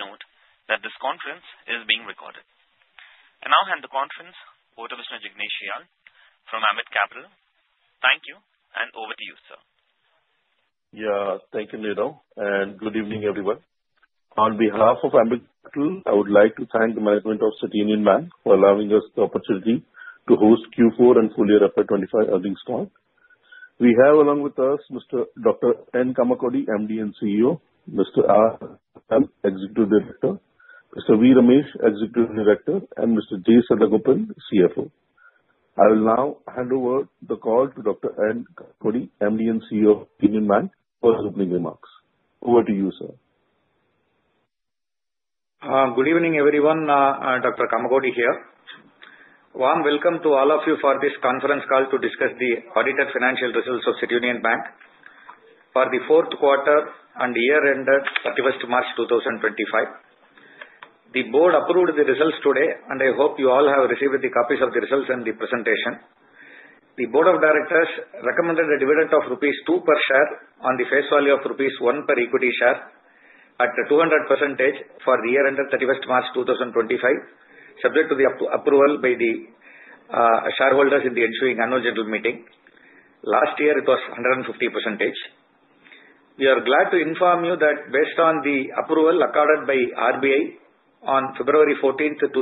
Please note that this conference is being recorded. I now hand the conference over to Mr. Jignesh Shial from Ambit Capital. Thank you, and over to you, sir. Yeah, thank you, Neelo, and good evening, everyone. On behalf of Ambit Capital, I would like to thank the management of City Union Bank for allowing us the opportunity to host Q4 and full-year FY25 earnings call. We have, along with us, Dr. N. Kamakodi, MD and CEO, Mr. R. Vijay Anand, Executive Director, Mr. V. Ramesh, Executive Director, and Mr. J. Sadagopan, CFO. I will now hand over the call to Dr. N. Kamakodi, MD and CEO of City Union Bank, for his opening remarks. Over to you, sir. Good evening, everyone. Dr. Kamakodi here. Warm welcome to all of you for this conference call to discuss the audited financial results of City Union Bank for the Fourth Quarter and year-end at 31st March 2025. The board approved the results today, and I hope you all have received the copies of the results and the presentation. The board of directors recommended a dividend of rupees 2 per share on the face value of rupees 1 per equity share at a 200% for the year-end at 31 March 2025, subject to the approval by the shareholders in the ensuing annual general meeting. Last year, it was 150%. We are glad to inform you that, based on the approval accorded by RBI on 14 February 2025,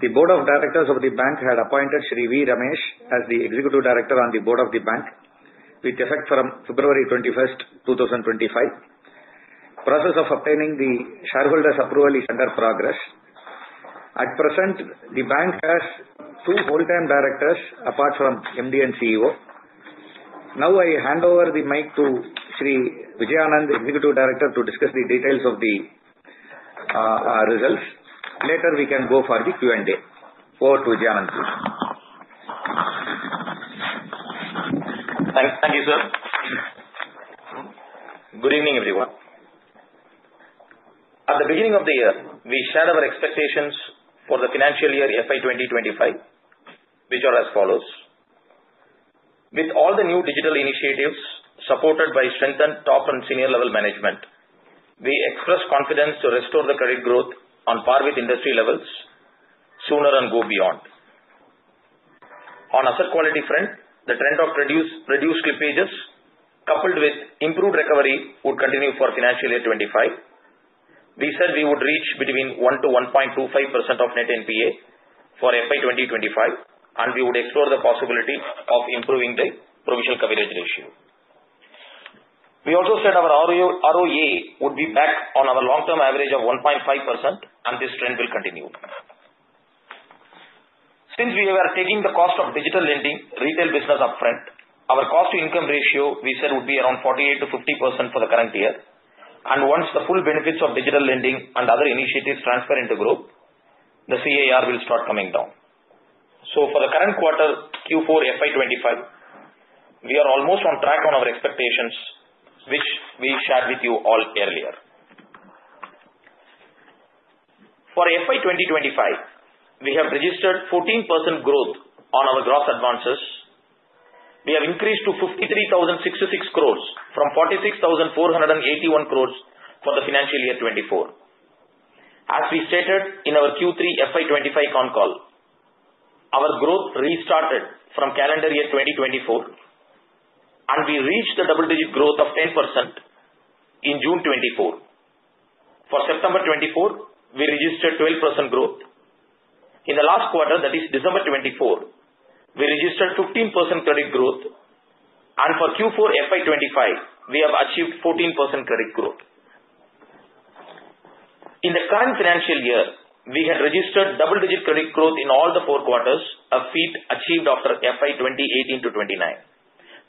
the board of directors of the bank had appointed Shri V. Ramesh as the Executive Director on the board of the bank, with effect from February 21, 2025. The process of obtaining the shareholders' approval is under progress. At present, the bank has two full-time directors apart from MD and CEO. Now, I hand over the mic to Shri Vijay Anandh, Executive Director, to discuss the details of the results. Later, we can go for the Q&A. Over to Vijay Anandh, please. Thank you, sir. Good evening, everyone. At the beginning of the year, we shared our expectations for the financial year 2025, which are as follows: With all the new digital initiatives supported by strengthened top and senior-level management, we express confidence to restore the credit growth on par with industry levels sooner and go beyond. On asset quality front, the trend of reduced slippages coupled with improved recovery would continue for financial year 2025. We said we would reach between 1% to 1.25% of net NPA for 2025, and we would explore the possibility of improving the provision coverage ratio. We also said our ROA would be back on our long-term average of 1.5%, and this trend will continue. Since we were taking the cost of digital lending retail business upfront, our cost-to-income ratio, we said, would be around 48% to 50% for the current year. Once the full benefits of digital lending and other initiatives transfer into the growth, the CIR will start coming down. For the current quarter, Q4 FY '25, we are almost on track on our expectations, which we shared with you all earlier. For FY 2025, we have registered 14% growth on our gross advances. We have increased to 53,066 crore from 46,481 crore for the financial year 2024. As we stated in our Q3 FY '25 con call, our growth restarted from calendar year 2024, and we reached a double-digit growth of 10% in June 2024. For September 2024, we registered 12% growth. In the last quarter, that is December 2024, we registered 15% credit growth. For Q4 FY '25, we have achieved 14% credit growth. In the current financial year, we had registered double-digit credit growth in all the four quarters, a feat achieved after FY 2018 to 2029.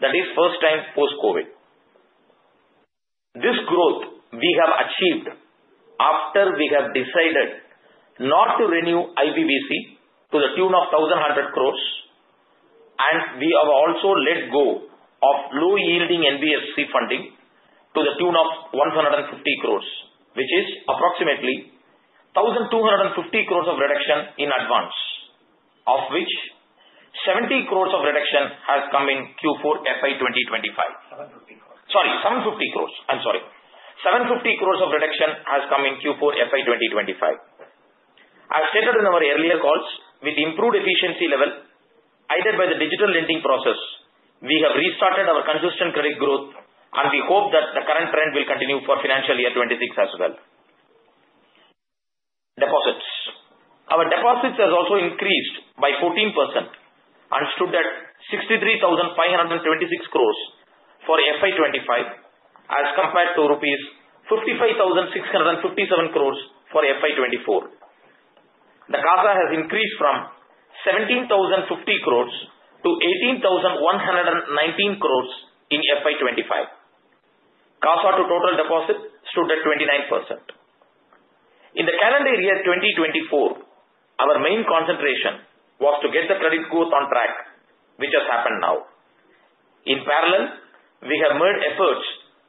That is first time post-COVID. This growth we have achieved after we have decided not to renew IBPC to the tune of 1,100 crore, and we have also let go of low-yielding NBFC funding to the tune of 150 crore, which is approximately 1,250 crore of reduction in advance, of which 750 crore of reduction has come in Q4 FY 2025. Sorry, 750 crore. I'm sorry. 750 crore of reduction has come in Q4 FY2025. As stated in our earlier calls, with improved efficiency level aided by the digital lending process, we have restarted our consistent credit growth, and we hope that the current trend will continue for financial year '26 as well. Deposits. Our deposits have also increased by 14% and stood at 63,526 crore for FY '25, as compared to rupees 55,657 crore for FY '24. The CASA has increased from 17,050 crore to 18,119 crore in FY '25. CASA to total deposit stood at 29%. In the Calendar Year 2024, our main concentration was to get the credit growth on track, which has happened now. In parallel, we have made efforts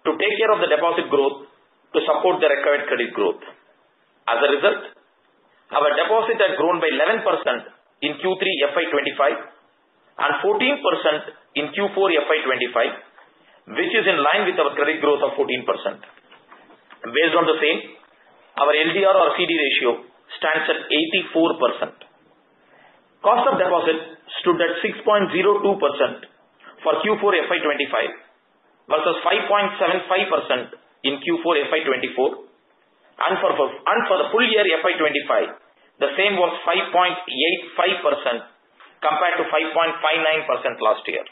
to take care of the deposit growth to support the required credit growth. As a result, our deposits have grown by 11% in Q3 FY '25 and 14% in Q4 FY '25, which is in line with our credit growth of 14%. Based on the same, our LDR or CD ratio stands at 84%. Cost of deposit stood at 6.02% for Q4 FY '25 versus 5.75% in Q4 FY '24. For the full year FY '25, the same was 5.85% compared to 5.59% last year.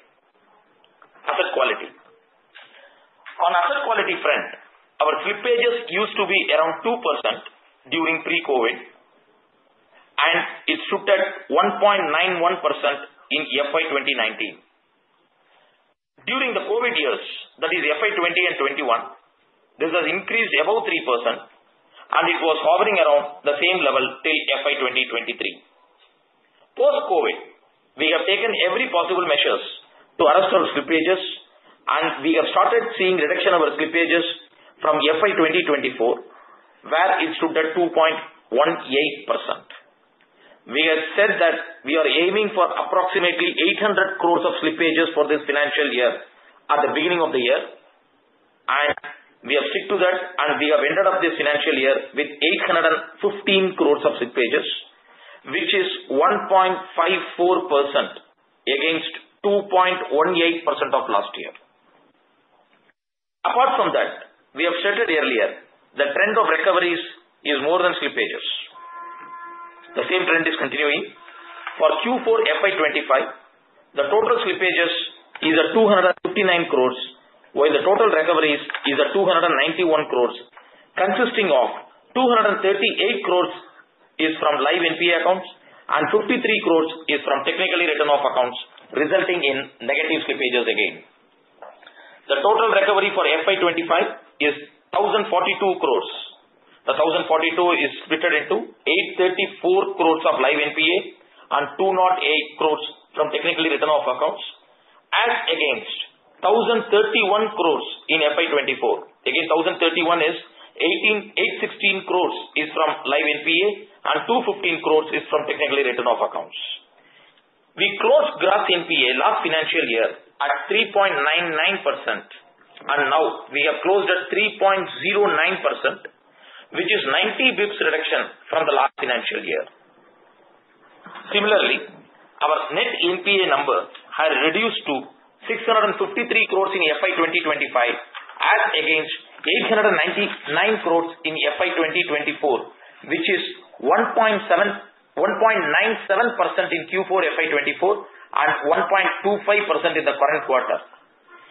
Asset quality. On asset quality front, our slippages used to be around 2% during pre-COVID, and it stood at 1.91% in FY 2019. During the COVID years, that is FY '20 and '21, this has increased above 3%, and it was hovering around the same level till FY 2023. Post-COVID, we have taken every possible measure to arrest our slippages, and we have started seeing reduction of our slippages from FY 2024, where it stood at 2.18%. We have said that we are aiming for approximately 8 billion of slippages for this financial year at the beginning of the year, and we have stuck to that, and we have ended up this financial year with 8.15 billion of slippages, which is 1.54% against 2.18% of last year. Apart from that, we have stated earlier the trend of recoveries is more than slippages. The same trend is continuing. For Q4 FY '25, the total slippages is 259 crore, while the total recoveries is 291 crore, consisting of 238 crore from live NPA accounts and 53 crore from technically written-off accounts, resulting in negative slippages again. The total recovery for FY2025 is 1,042 crore. The 1,042 crore is split into 834 crore of live NPA and 208 crore from technically written-off accounts, as against 1,031 crore in FY '24. Again, 1,031 crore is INR 816 crore from live NPA and 215 crore from technically written-off accounts. We closed gross NPA last financial year at 3.99%, and now we have closed at 3.09%, which is 90 basis points reduction from the last financial year. Similarly, our net NPA number has reduced to 653 crore in FY 2025, as against 899 crore in FY 2024, which is 1.97% in Q4 FY '24 and 1.25% in the current quarter,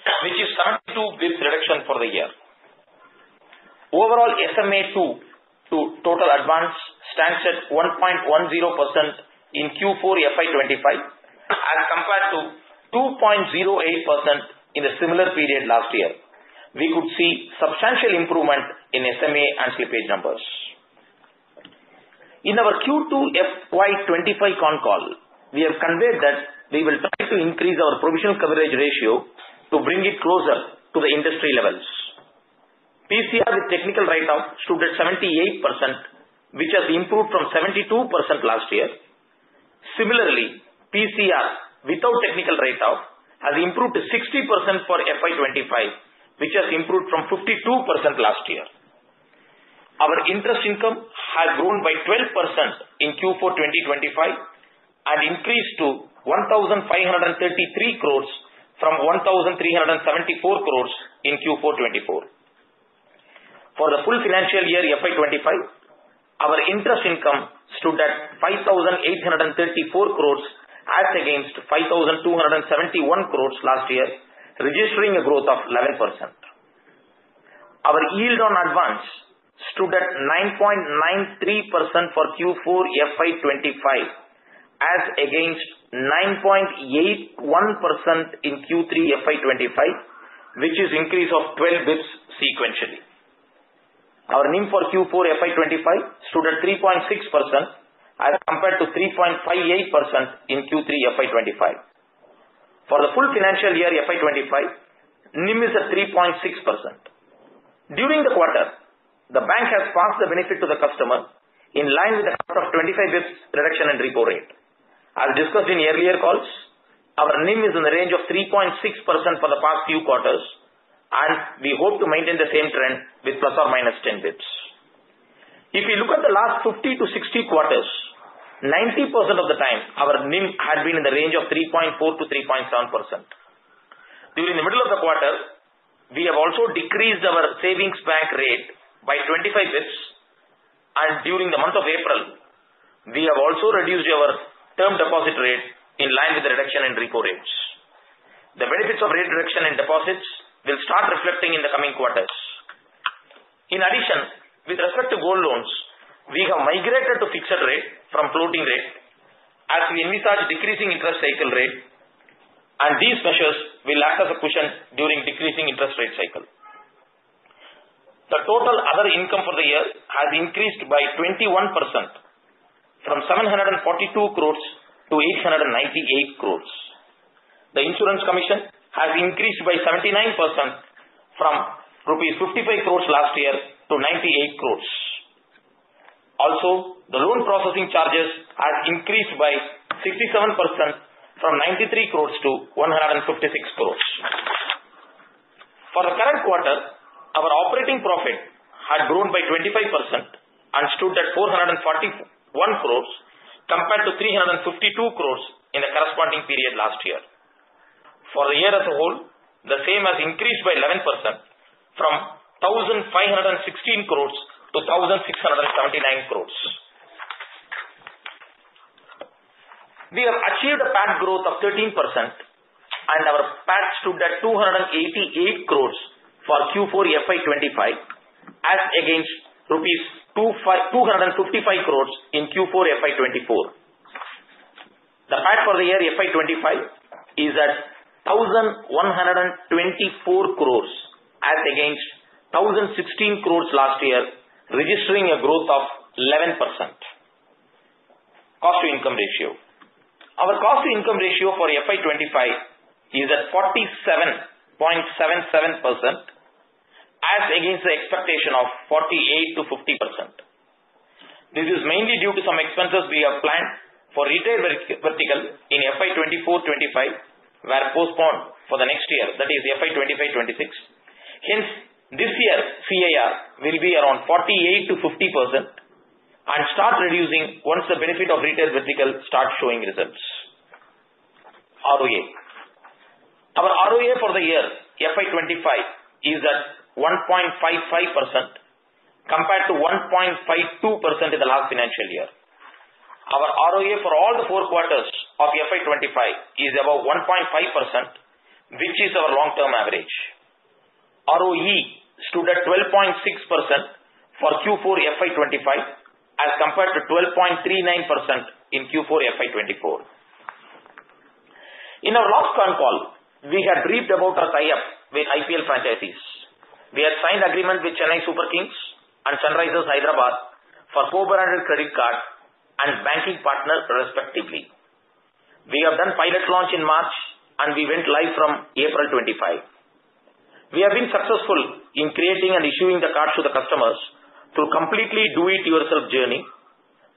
which is 72 bps reduction for the year. Overall, SMA-2 to total advance stands at 1.10% in Q4 FY '25, as compared to 2.08% in the similar period last year. We could see substantial improvement in SMA and slippage numbers. In our Q2 FY '25 con-call, we have conveyed that we will try to increase our provision coverage ratio to bring it closer to the industry levels. PCR with technical write-off stood at 78%, which has improved from 72% last year. Similarly, PCR without technical write-off has improved to 60% for FY '25, which has improved from 52% last year. Our interest income has grown by 12% in Q4 2025 and increased to 1,533 crore from 1,374 crore in Q4 2024. For the full financial year FY '25, our interest income stood at 5,834 crore, as against 5,271 crore last year, registering a growth of 11%. Our yield on advance stood at 9.93% for Q4 FY '25, as against 9.81% in Q3 FY '25, which is an increase of 12 bps sequentially. Our NIM for Q4 FY '25 stood at 3.6% as compared to 3.58% in Q3 FY '25. For the full financial year FY '25, NIM is at 3.6%. During the quarter, the bank has passed the benefit to the customer in line with the cost of 25 basis points reduction and repo rate. As discussed in earlier calls, our NIM is in the range of 3.6% for the past few quarters, and we hope to maintain the same trend with plus or minus 10 bps. If you look at the last 50-60 quarters, 90% of the time, our NIM had been in the range of 3.4%-3.7%. During the middle of the quarter, we have also decreased our savings bank rate by 25 bps, and during the month of April, we have also reduced our term deposit rate in line with the reduction in repo rates. The benefits of rate reduction in deposits will start reflecting in the coming quarters. In addition, with respect to gold loans, we have migrated to fixed rate from floating rate, as we envisage decreasing interest cycle rate, and these measures will act as a cushion during decreasing interest rate cycle. The total other income for the year has increased by 21% from 742 crore to 898 crore. The insurance commission has increased by 79% from rupees 55 crore last year to 98 crore. Also, the loan processing charges have increased by 67% from 93 crore to 156 crore. For the current quarter, our operating profit had grown by 25% and stood at 441 crore compared to 352 crore in the corresponding period last year. For the year as a whole, the same has increased by 11% from 1,516 crore to 1,679 crore. We have achieved a PAT growth of 13%, and our PAT stood at 288 crore for Q4 FY '25, as against rupees 255 crore in Q4 FY '24. The PAT for the year FY '25 is at 1,124 crore, as against 1,016 crore last year, registering a growth of 11%. Cost-to-income ratio. Our cost-to-income ratio for FY '25 is at 47.77%, as against the expectation of 48%-50%. This is mainly due to some expenses we have planned for retail vertical in FY '24-25, which were postponed for the next year, that is FY '25-26. Hence, this year, CIR will be around 48%-50% and start reducing once the benefit of retail vertical starts showing results. ROA. Our ROA for the year FY '25 is at 1.55% compared to 1.52% in the last financial year. Our ROA for all the four quarters of FY '25 is above 1.5%, which is our long-term average. ROE stood at 12.6% for Q4 FY '25, as compared to 12.39% in Q4 FY '24. In our last con-call, we had briefed about our tie-up with IPL franchisees. We had signed agreements with Chennai Super Kings and Sunrisers Hyderabad for co-branded credit card and banking partner, respectively. We have done pilot launch in March, and we went live from April 25. We have been successful in creating and issuing the cards to the customers through a completely do-it-yourself journey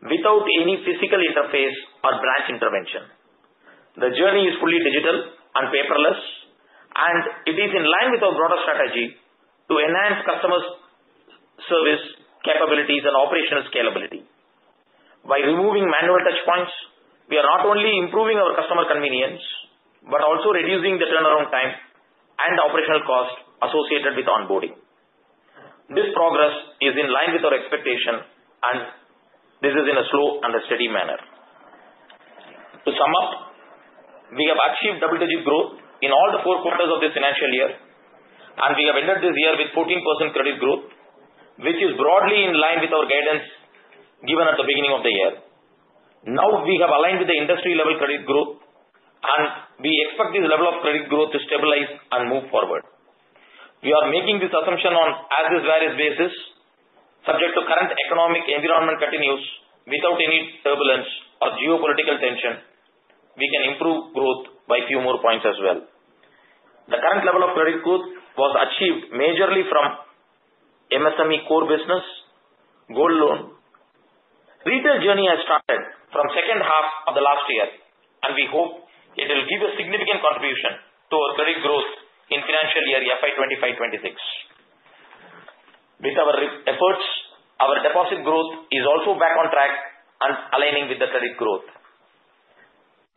without any physical interface or branch intervention. The journey is fully digital and paperless, and it is in line with our broader strategy to enhance customer service capabilities and operational scalability. By removing manual touchpoints, we are not only improving our customer convenience but also reducing the turnaround time and operational cost associated with onboarding. This progress is in line with our expectation, and this is in a slow and a steady manner. To sum up, we have achieved double-digit growth in all the four quarters of this financial year, and we have ended this year with 14% credit growth, which is broadly in line with our guidance given at the beginning of the year. Now, we have aligned with the industry-level credit growth, and we expect this level of credit growth to stabilize and move forward. We are making this assumption on as-is various basis, subject to current economic environment continues without any turbulence or geopolitical tension, we can improve growth by a few more points as well. The current level of credit growth was achieved majorly from MSME core business, gold loan. Retail journey has started from the second half of the last year, and we hope it will give a significant contribution to our credit growth in financial year FY '25-26. With our efforts, our deposit growth is also back on track and aligning with the credit growth.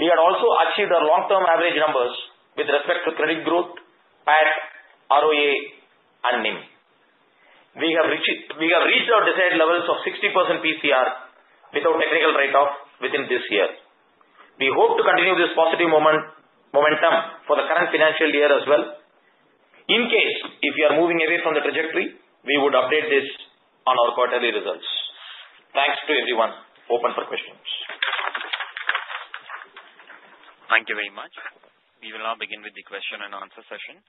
We have also achieved our long-term average numbers with respect to credit growth, PAT, ROA, and NIM. We have reached our desired levels of 60% PCR without technical write-off within this year. We hope to continue this positive momentum for the current financial year as well. In case we are moving away from the trajectory, we would update this on our quarterly results. Thanks to everyone. Open for questions. Thank you very much. We will now begin with the question and answer session.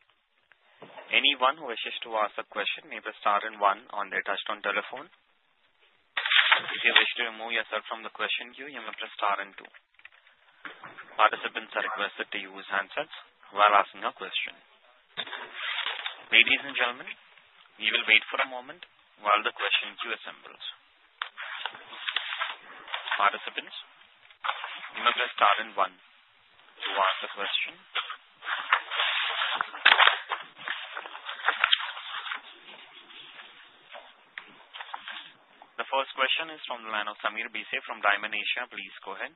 Anyone who wishes to ask a question may press star and one on their touchstone telephone. If you wish to remove yourself from the question queue, you may press star and two. Participants are requested to use handsets while asking a question. Ladies and gentlemen, we will wait for a moment while the question queue assembles. Participants, you may press star and one to ask a question. The first question is from the line of Sameer Bhise from Dymon Asia. Please go ahead.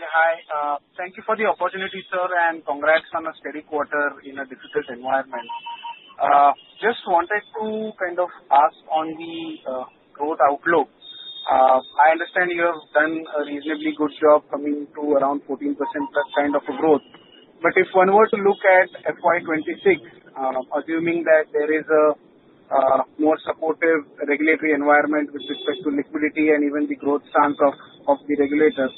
Hi. Thank you for the opportunity, sir, and congrats on a steady quarter in a difficult environment. Just wanted to kind of ask on the growth outlook. I understand you have done a reasonably good job coming to around 14% plus kind of a growth. If one were to look at FY '26, assuming that there is a more supportive regulatory environment with respect to liquidity and even the growth stance of the regulator,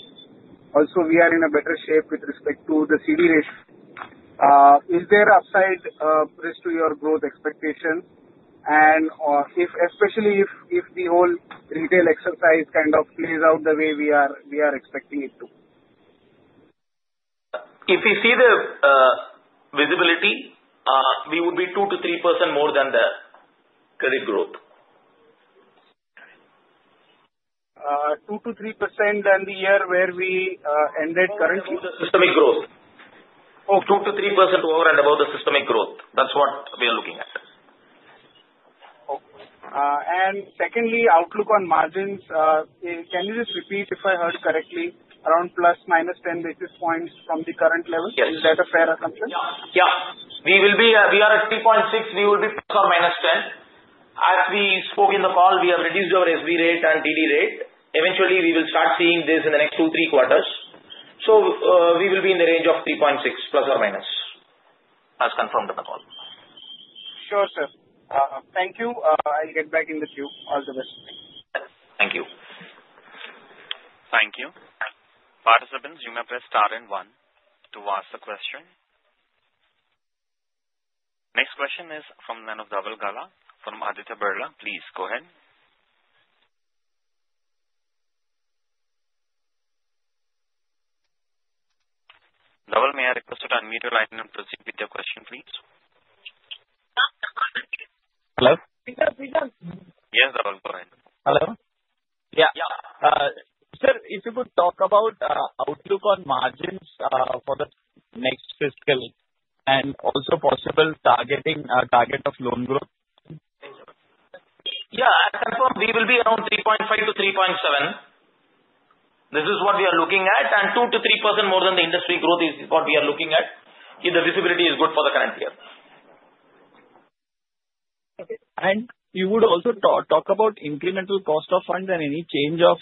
also, we are in a better shape with respect to the CD rate. Is there an upside risk to your growth expectation? Especially if the whole retail exercise kind of plays out the way we are expecting it to? If you see the visibility, we would be 2-3% more than the credit growth. 2-3% than the year where we ended currently? Systemic growth. 2-3% over and above the systemic growth. That is what we are looking at. Secondly, outlook on margins, can you just repeat if I heard correctly, around plus minus 10 basis points from the current level? Is that a fair assumption? Yeah. We are at 3.6. We will be plus or minus 10. As we spoke in the call, we have reduced our SB rate and TD rate. Eventually, we will start seeing this in the next two, three quarters. We will be in the range of 3.6 plus or minus as confirmed in the call. Sure, sir. Thank you. I'll get back in the queue. All the best. Thank you. Thank you. Participants, you may press star and one to ask a question. Next question is from the line of Dhaval Gala, from Aditya Birla. Please go ahead. Dhaval, may I request to unmute your line and proceed with your question, please? Hello? Yes, Dhaval. Go ahead. Hello? Yeah. Sir, if you could talk about outlook on margins for the next fiscal and also possible target of loan growth? Yeah. As confirmed, we will be around 3.5%-3.7%. This is what we are looking at. And 2%-3% more than the industry growth is what we are looking at. The visibility is good for the current year. You would also talk about incremental cost of funds and any change of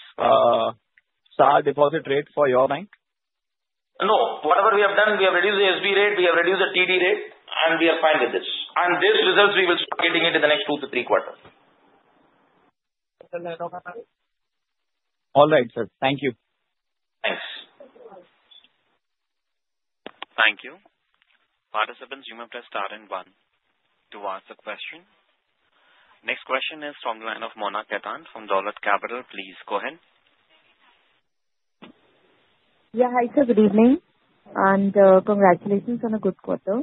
SB deposit rate for your bank? No. Whatever we have done, we have reduced the SB rate. We have reduced the TD rate, and we are fine with this. These results, we will start getting into the next two to three quarters. All right, sir. Thank you. Thanks. Thank you. Participants, you may press star and one to ask a question. Next question is from the line of Mona Khetan from Dolat Capital. Please go ahead. Yeah. Hi, sir. Good evening. And congratulations on a good quarter.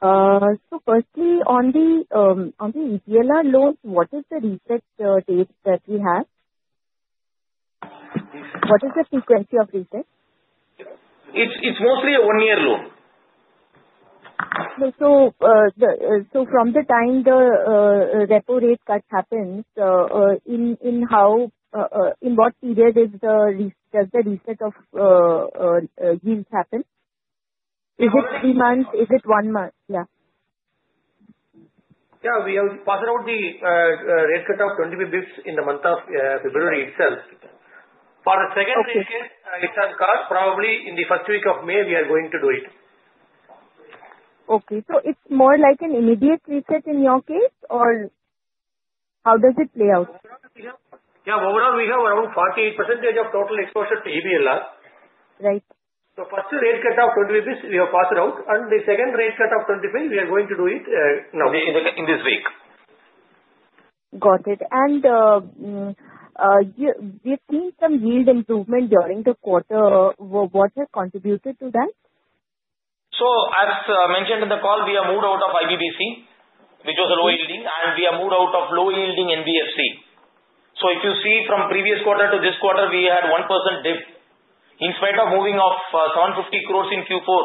Firstly, on the EBLR loans, what is the reset date that we have? What is the frequency of reset? It's mostly a one-year loan. From the time the repo rate cut happens, in what period does the reset of yields happen? Is it three months? Is it one month? Yeah. We have passed out the rate cut of 25 bps in the month of February itself. For the second rate cut, probably in the first week of May, we are going to do it. Okay. It is more like an immediate reset in your case, or how does it play out? Yeah. Overall, we have around 48% of total exposure to EBLR. The first rate cut of 25 basis points, we have passed out. The second rate cut of 25, we are going to do it now. In this week. Got it. You have seen some yield improvement during the quarter. What has contributed to that? As mentioned in the call, we have moved out of IBPC, which was low-yielding, and we have moved out of low-yielding NBFC. If you see, from previous quarter to this quarter, we had a 1% dip. In spite of moving off 750 crore in Q4,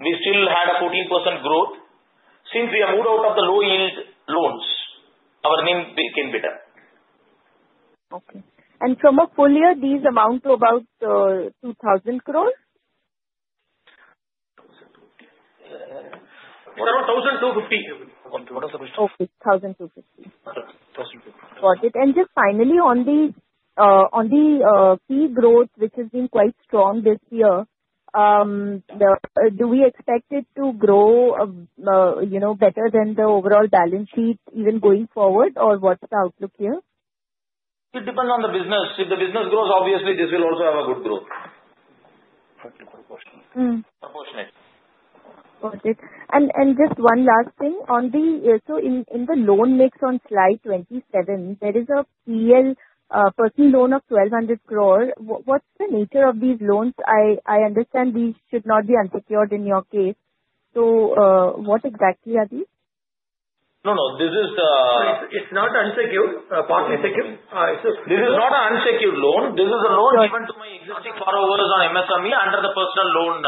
we still had a 14% growth. Since we have moved out of the low-yield loans, our NIM became better. Okay. From a full year, these amount to about 2,000 crore? 1,250. Okay. 1,250. Got it. Just finally, on the key growth, which has been quite strong this year, do we expect it to grow better than the overall balance sheet even going forward, or what is the outlook here? It depends on the business. If the business grows, obviously, this will also have a good growth. Got it. Just one last thing. In the loan mix on slide 27, there is a PL personal loan of 1,200 crore. What's the nature of these loans? I understand these should not be unsecured in your case. What exactly are these? No, no. This is not unsecured. This is not an unsecured loan. This is a loan given to my existing borrowers on MSME under the personal loan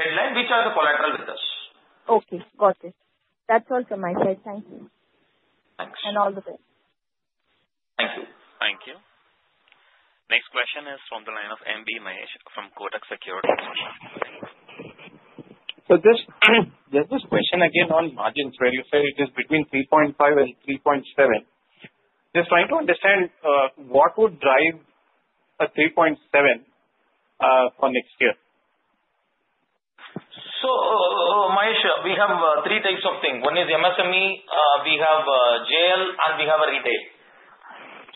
headline, which are the collateral with us. Okay. Got it. That's all from my side. Thank you. Thanks. All the best. Thank you. Thank you. Next question is from the line of MB Mahesh from Kotak Securities. This question again on margins, where you said it is between 3.5% and 3.7%. Just trying to understand what would drive a 3.7% for next year? Mahesh, we have three types of things. One is MSME, we have JL, and we have retail.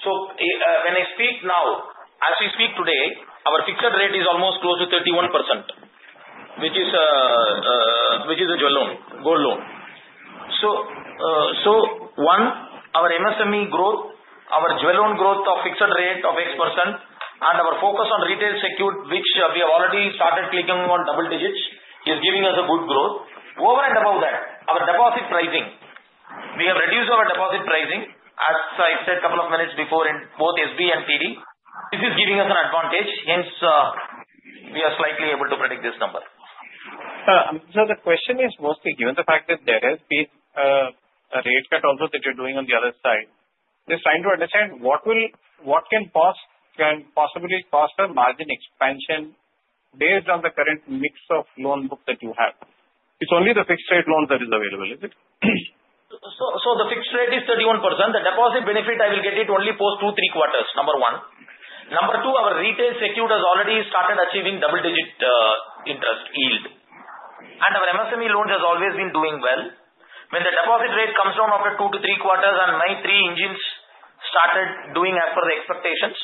When I speak now, as we speak today, our fixed rate is almost close to 31%, which is a JL loan, gold loan. One, our MSME growth, our JL loan growth of fixed rate of X%, and our focus on retail secured, which we have already started clicking on double digits, is giving us a good growth. Over and above that, our deposit pricing, we have reduced our deposit pricing, as I said a couple of minutes before in both SB and TD. This is giving us an advantage. Hence, we are slightly able to predict this number. The question is mostly given the fact that there has been a rate cut also that you're doing on the other side. Just trying to understand what can possibly foster margin expansion based on the current mix of loan books that you have. It's only the fixed-rate loans that are available, is it? The fixed rate is 31%. The deposit benefit, I will get it only post two, three quarters, number one. Number two, our retail secured has already started achieving double-digit interest yield. And our MSME loans have always been doing well. When the deposit rate comes down after two, two, three quarters and my three engines started doing as per the expectations,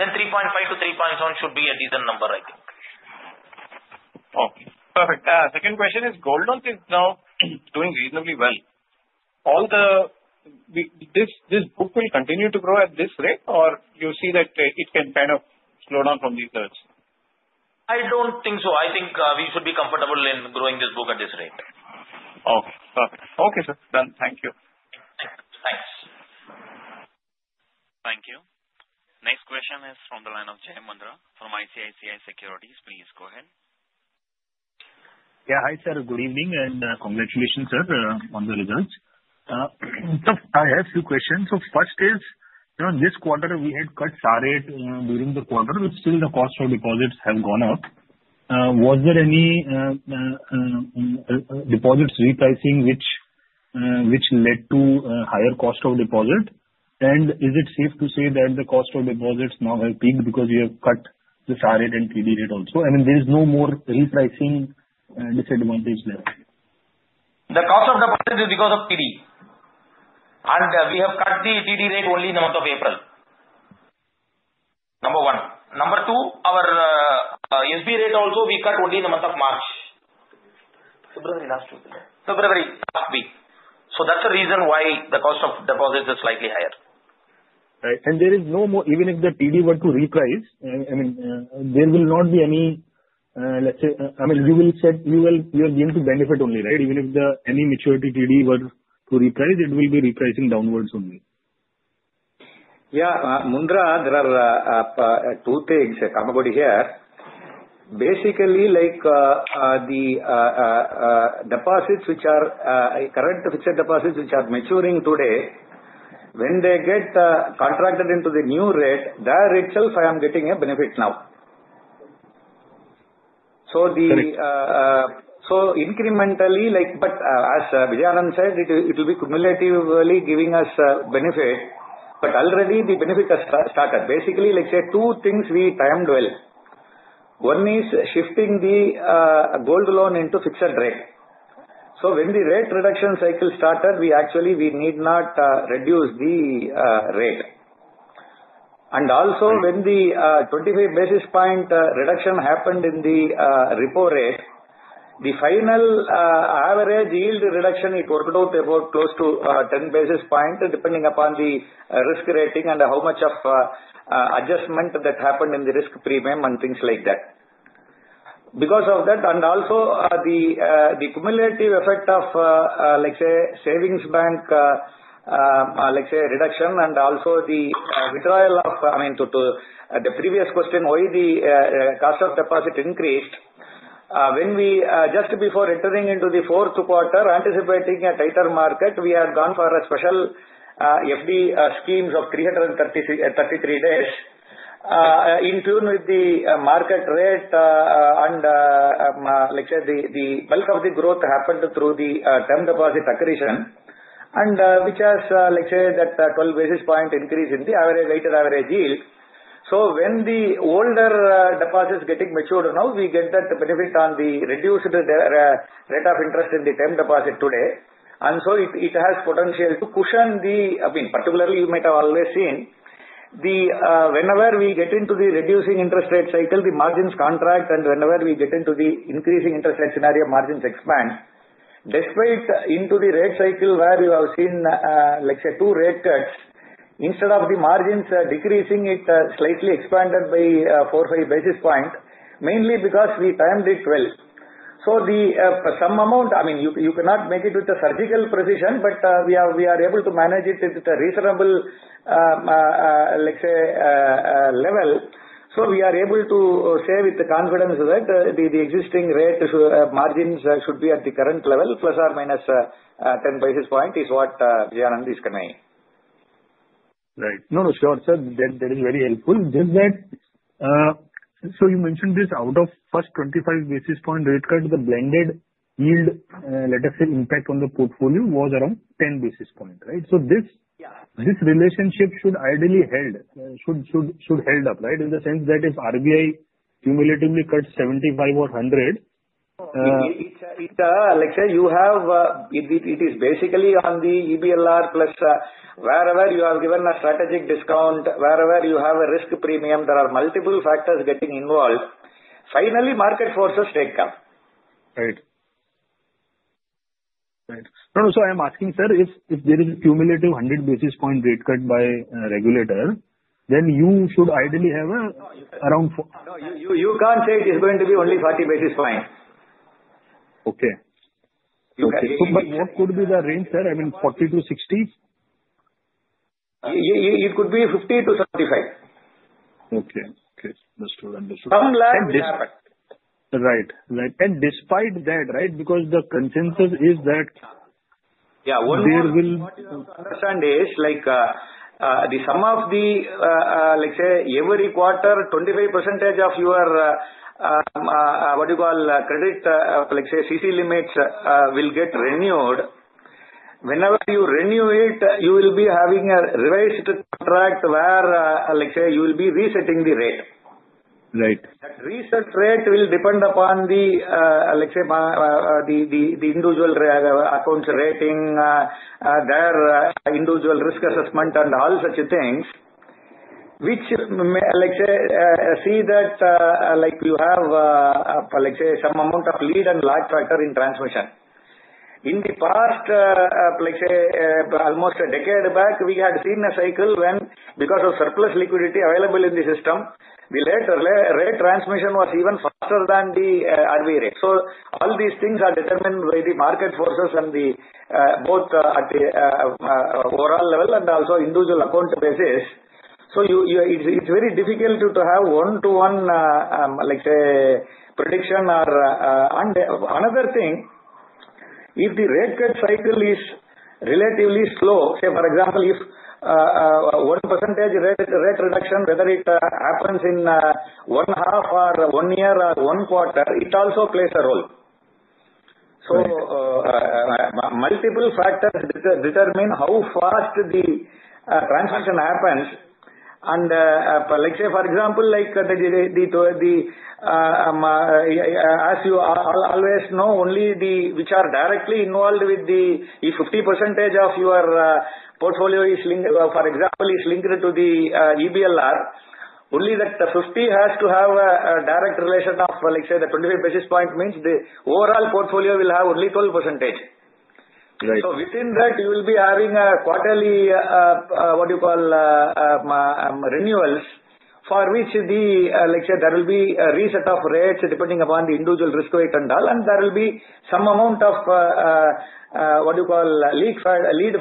then 3.5%-3.7% should be a decent number, I think. Okay. Perfect. Second question is gold loans is now doing reasonably well. This book will continue to grow at this rate, or you see that it can kind of slow down from these levels? I don't think so. I think we should be comfortable in growing this book at this rate. Okay. Perfect. Okay, sir. Done. Thank you. Thanks. Thank you. Next question is from the line of Jai Mundhra from ICICI Securities. Please go ahead. Yeah. Hi, sir. Good evening and congratulations, sir, on the results. I have a few questions. First is, this quarter, we had cut SA rate during the quarter, but still the cost of deposits have gone up. Was there any deposits repricing, which led to higher cost of deposit? Is it safe to say that the cost of deposits now have peaked because you have cut the SA rate and TD rate also? I mean, there is no more repricing disadvantage there? The cost of deposits is because of TD. We have cut the TD rate only in the month of April, number one. Number two, our SB rate also we cut only in the month of March. February, last week. February, last week. That is the reason why the cost of deposits is slightly higher. Right. There is no more, even if the TD were to reprice, I mean, there will not be any, let's say, I mean, you will be able to benefit only, right? Even if any maturity TD were to reprice, it will be repricing downwards only. Yeah. Mundhra, there are two things I am about here. Basically, the deposits, which are current fixed deposits, which are maturing today, when they get contracted into the new rate, there itself I am getting a benefit now. Incrementally, but as Shri Vijayanand said, it will be cumulatively giving us benefit. Already, the benefit has started. Basically, let's say two things we timed well. One is shifting the gold loan into fixed rate. When the rate reduction cycle started, we actually need not reduce the rate. Also, when the 25 basis point reduction happened in the repo rate, the final average yield reduction worked out about close to 10 basis points, depending upon the risk rating and how much of adjustment that happened in the risk premium and things like that. Because of that, and also, the cumulative effect of, let's say, Savings Bank, let's say, reduction and also the withdrawal of, I mean, to the previous question, why the cost of deposit increased. When we just before entering into the fourth quarter, anticipating a tighter market, we had gone for a special FD schemes of 333 days in tune with the market rate and, let's say, the bulk of the growth happened through the term deposit accretion, which has, let's say, that 12 basis point increase in the tighter average yield. When the older deposits getting matured now, we get that benefit on the reduced rate of interest in the term deposit today. It has potential to cushion the, I mean, particularly, you might have always seen whenever we get into the reducing interest rate cycle, the margins contract, and whenever we get into the increasing interest rate scenario, margins expand. Despite into the rate cycle where you have seen, let's say, two rate cuts, instead of the margins decreasing, it slightly expanded by four, five basis points, mainly because we timed it well. Some amount, I mean, you cannot make it with a surgical precision, but we are able to manage it at a reasonable, let's say, level. We are able to say with the confidence that the existing rate margins should be at the current level, plus or minus 10 basis points is what Vijay Anandh is conveying. Right. No, no. Sir, that is very helpful. Just that, so you mentioned this out of first 25 basis point rate cut, the blended yield, let us say, impact on the portfolio was around 10 basis points, right? This relationship should ideally hold up, right? In the sense that if RBI cumulatively cut 75 or 100. It is, let's say, you have, it is basically on the EBLR plus wherever you have given a strategic discount, wherever you have a risk premium, there are multiple factors getting involved. Finally, market forces take up. Right. Right. No, no. I am asking, sir, if there is a cumulative 100 basis point rate cut by regulator, then you should ideally have around. No, you can't say it is going to be only 40 basis points. Okay. What could be the range, sir? I mean, 40-60? It could be 50-75. Okay. Okay. Understood. Understood. Some land. Right. Right. Despite that, right, because the consensus is that. Yeah. One more thing to understand is, like some of the, let's say, every quarter, 25% of your, what do you call, credit, let's say, CC limits will get renewed. Whenever you renew it, you will be having a revised contract where, let's say, you will be resetting the rate. Right. That reset rate will depend upon the, let's say, the individual accounts rating, their individual risk assessment, and all such things, which, let's say, see that you have, let's say, some amount of lead and large factor in transmission. In the past, let's say, almost a decade back, we had seen a cycle when, because of surplus liquidity available in the system, the later rate transmission was even faster than the RBI rate. All these things are determined by the market forces and both at the overall level and also individual account basis. It's very difficult to have one-to-one, let's say, prediction. Another thing, if the rate cut cycle is relatively slow, say, for example, if 1% rate reduction, whether it happens in one half or one year or one quarter, it also plays a role. Multiple factors determine how fast the transaction happens. Let's say, for example, as you always know, only the which are directly involved with the 50% of your portfolio is, for example, is linked to the EBLR. Only that 50 has to have a direct relation of, let's say, the 25 basis point means the overall portfolio will have only 12%. Within that, you will be having a quarterly, what do you call, renewals for which the, let's say, there will be a reset of rates depending upon the individual risk weight and all. There will be some amount of, what do you call, lead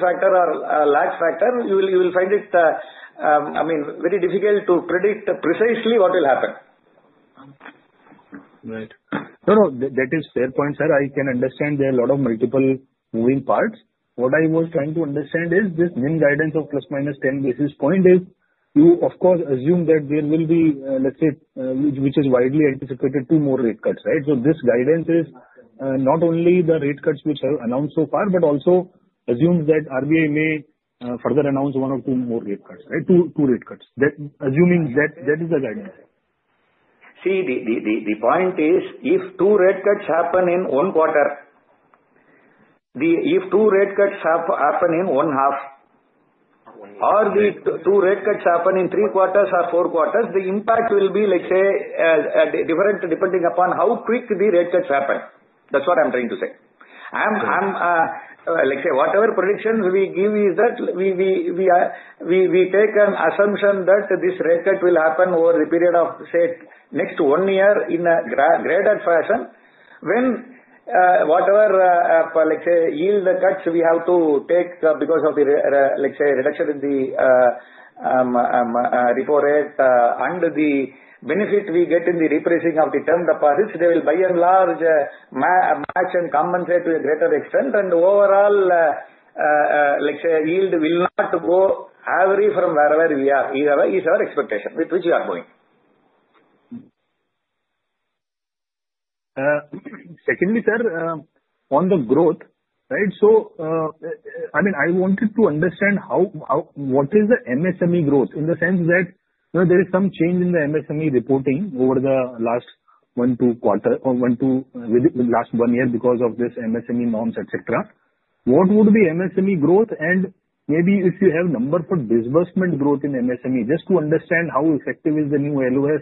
factor or lag factor. You will find it, I mean, very difficult to predict precisely what will happen. Right. No, no. That is a fair point, sir. I can understand there are a lot of multiple moving parts. What I was trying to understand is this NIM guidance of plus minus 10 basis points is, you, of course, assume that there will be, let's say, which is widely anticipated, two more rate cuts, right? This guidance is not only the rate cuts which have been announced so far, but also assumes that RBI may further announce one or two more rate cuts, right? Two rate cuts. Assuming that, that is the guidance. See, the point is, if two rate cuts happen in one quarter, if two rate cuts happen in one half, or the two rate cuts happen in three quarters or four quarters, the impact will be, let's say, different depending upon how quick the rate cuts happen. That's what I'm trying to say. Let's say, whatever predictions we give is that we take an assumption that this rate cut will happen over the period of, say, next one year in a graded fashion. When whatever, let's say, yield cuts we have to take because of the, let's say, reduction in the repo rate and the benefit we get in the repricing of the term deposits, they will by and large match and compensate to a greater extent. Overall, let's say, yield will not go average from wherever we are, is our expectation, which we are going. Secondly, sir, on the growth, right? I mean, I wanted to understand what is the MSME growth in the sense that there is some change in the MSME reporting over the last one, two quarters or one, two last one year because of this MSME norms, etc. What would be MSME growth? And maybe if you have a number for disbursement growth in MSME, just to understand how effective is the new LOS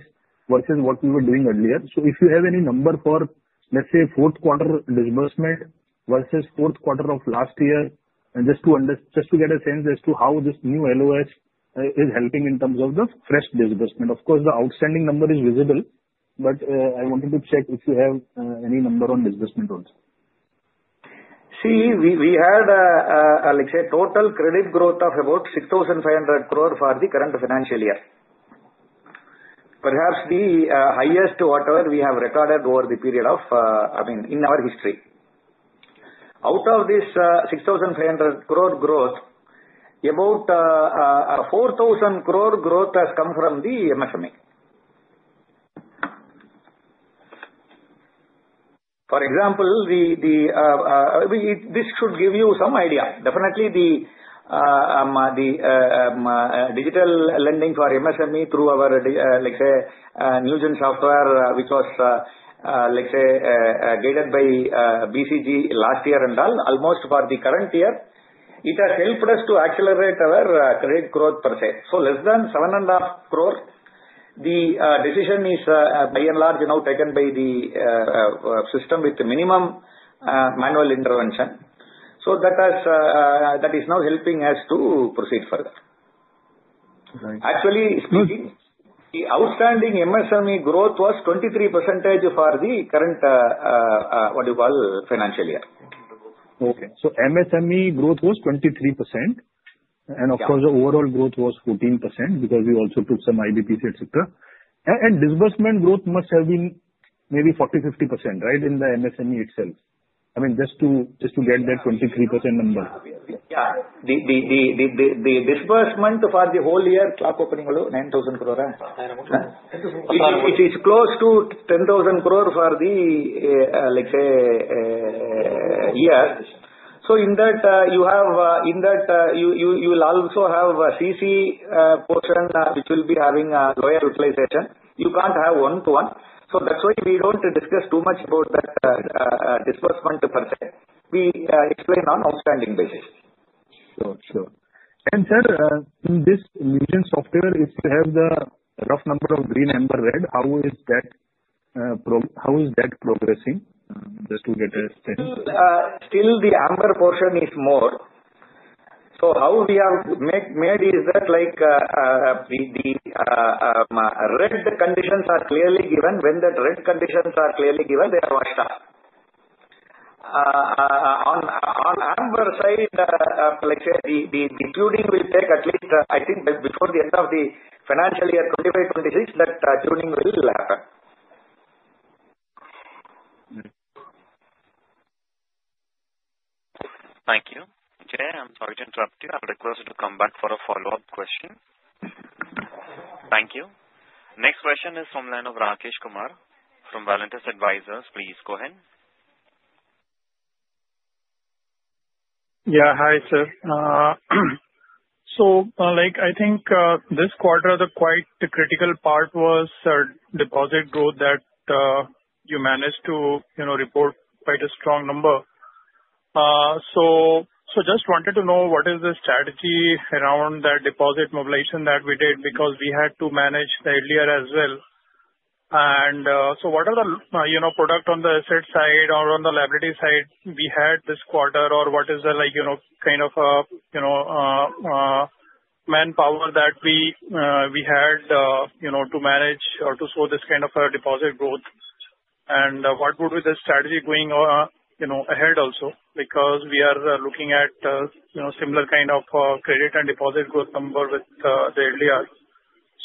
versus what we were doing earlier. If you have any number for, let's say, fourth quarter disbursement versus fourth quarter of last year, just to get a sense as to how this new LOS is helping in terms of the fresh disbursement. Of course, the outstanding number is visible, but I wanted to check if you have any number on disbursement also. See, we had, let's say, total credit growth of about 6,500 crore for the current financial year. Perhaps the highest whatever we have recorded over the period of, I mean, in our history. Out of this 6,500 crore growth, about 4,000 crore growth has come from the MSME. For example, this should give you some idea. Definitely, the digital lending for MSME through our, let's say, Newgen Software, which was, let's say, guided by BCG last year and all, almost for the current year, it has helped us to accelerate our credit growth per se. Less than 7.5 crore, the decision is by and large now taken by the system with minimum manual intervention. That is now helping us to proceed further. Actually speaking, the outstanding MSME growth was 23% for the current, what do you call, financial year. Okay. MSME growth was 23%. Of course, the overall growth was 14% because we also took some IB?, etc. Disbursement growth must have been maybe 40-50%, right, in the MSME itself. I mean, just to get that 23% number? Yeah. The disbursement for the whole year, clap opening, hello, 9,000 crore? It's close to 10,000 crore for the, let's say, year. In that, you have in that, you will also have a CC portion which will be having a loyal utilization. You can't have one to one. That's why we don't discuss too much about that disbursement per se. We explain on outstanding basis. Sure. Sure. Sir, in this Newgen Software, if you have the rough number of green, amber, red, how is that progressing? Just to get a sense. Still, the amber portion is more. How we have made is that the red conditions are clearly given. When that red conditions are clearly given, they are washed out. On amber side, the tuning will take at least, I think, before the end of the Financial Year '25-26, that tuning will happen. Thank you. Jai, I'm sorry to interrupt you. I'll request you to come back for a follow-up question. Thank you. Next question is from line of Rakesh Kumar from Valentis Advisors. Please go ahead. Yeah. Hi, sir. I think this quarter, the quite critical part was deposit growth that you managed to report quite a strong number. Just wanted to know what is the strategy around that deposit mobilization that we did because we had to manage the earlier as well. What are the products on the asset side or on the liability side we had this quarter, or what is the kind of manpower that we had to manage or to slow this kind of deposit growth? What would be the strategy going ahead also? Because we are looking at similar kind of credit and deposit growth number with the earlier.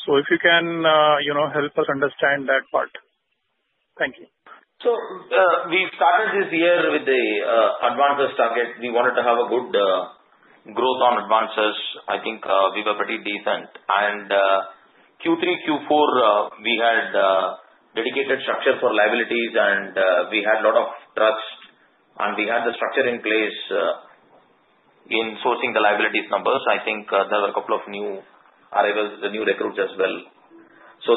If you can help us understand that part. Thank you. We started this year with the advances target. We wanted to have a good growth on advances. I think we were pretty decent. In Q3, Q4, we had dedicated structure for liabilities and we had a lot of tracks. We had the structure in place in sourcing the liabilities numbers. I think there were a couple of new arrivals, the new recruits as well.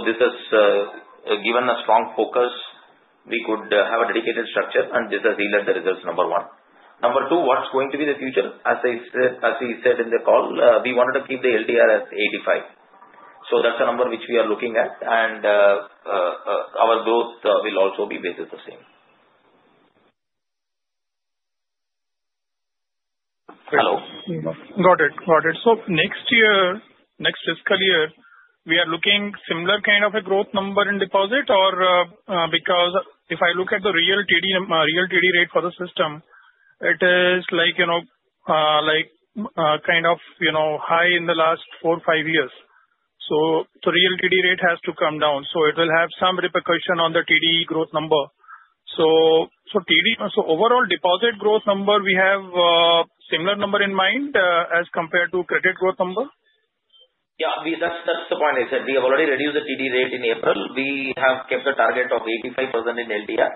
This has given a strong focus. We could have a dedicated structure and this has yielded the results, number one. Number two, what's going to be the future? As he said in the call, we wanted to keep the LDR at 85%. That's the number which we are looking at and our growth will also be based at the same. Hello? Got it. Got it. Next year, next fiscal year, we are looking similar kind of a growth number in deposit or because if I look at the real TD rate for the system, it is kind of high in the last four or five years. The real TD rate has to come down. It will have some repercussion on the TD growth number. Overall deposit growth number, we have similar number in mind as compared to credit growth number? Yeah. That's the point, is that we have already reduced the TD rate in April. We have kept a target of 85% in LDR.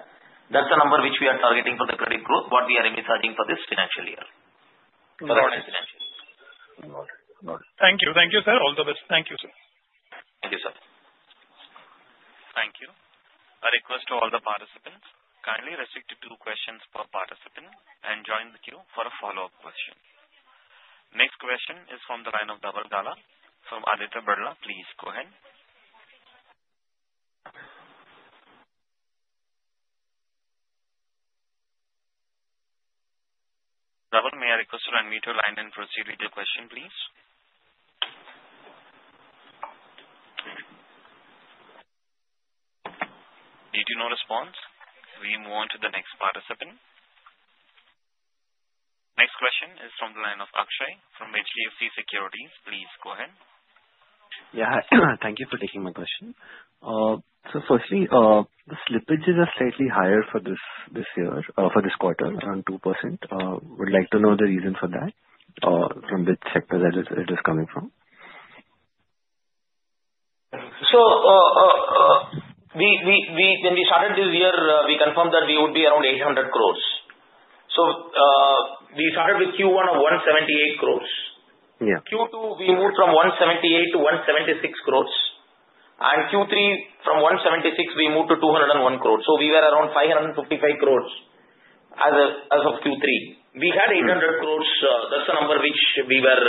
That's the number which we are targeting for the credit growth, what we are researching for this financial year. For the financial year. Got it. Got it. Thank you. Thank you, sir. All the best. Thank you, sir. Thank you, sir. Thank you. A request to all the participants. Kindly restrict to two questions per participant and join the queue for a follow-up question. Next question is from the line of Dhaval Gala from Aditya Birla, please go ahead. Dhaval, may I request to unmute your line and proceed with your question, please? Need to know response. We move on to the next participant. Next question is from the line of Akshay from HDFC Securities, please go ahead. Yeah. Thank you for taking my question. Firstly, the slippage is slightly higher for this year, for this quarter, around 2%. Would like to know the reason for that, from which sector it is coming from? When we started this year, we confirmed that we would be around 800 crore. We started with Q1 of 178 crore. Q2, we moved from 178 crore to 176 crore. Q3, from 176 crore, we moved to 201 crore. We were around 555 crore as of Q3. We had 800 crore. That is the number which we were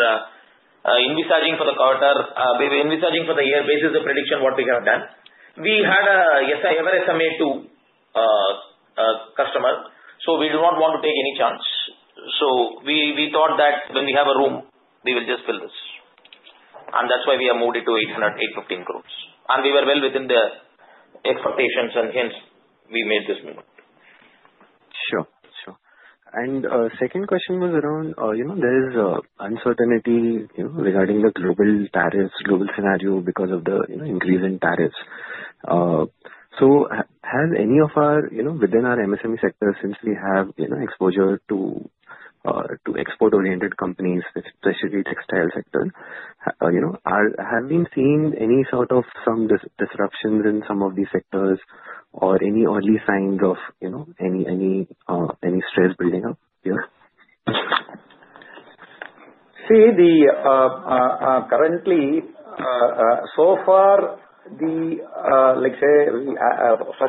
envisaging for the quarter, envisaging for the year basis of prediction what we have done. We had a, yes, a reverse SMA-2 customer. We do not want to take any chance. We thought that when we have a room, we will just fill this. That is why we have moved it to 815 crore. We were well within the expectations and hence we made this move. Sure. Sure. The second question was around there is uncertainty regarding the global tariffs, global scenario because of the increase in tariffs. Has any of our within our MSME sector, since we have exposure to export-oriented companies, especially the textile sector, have we seen any sort of some disruptions in some of these sectors or any early signs of any stress building up here? See, currently, so far, first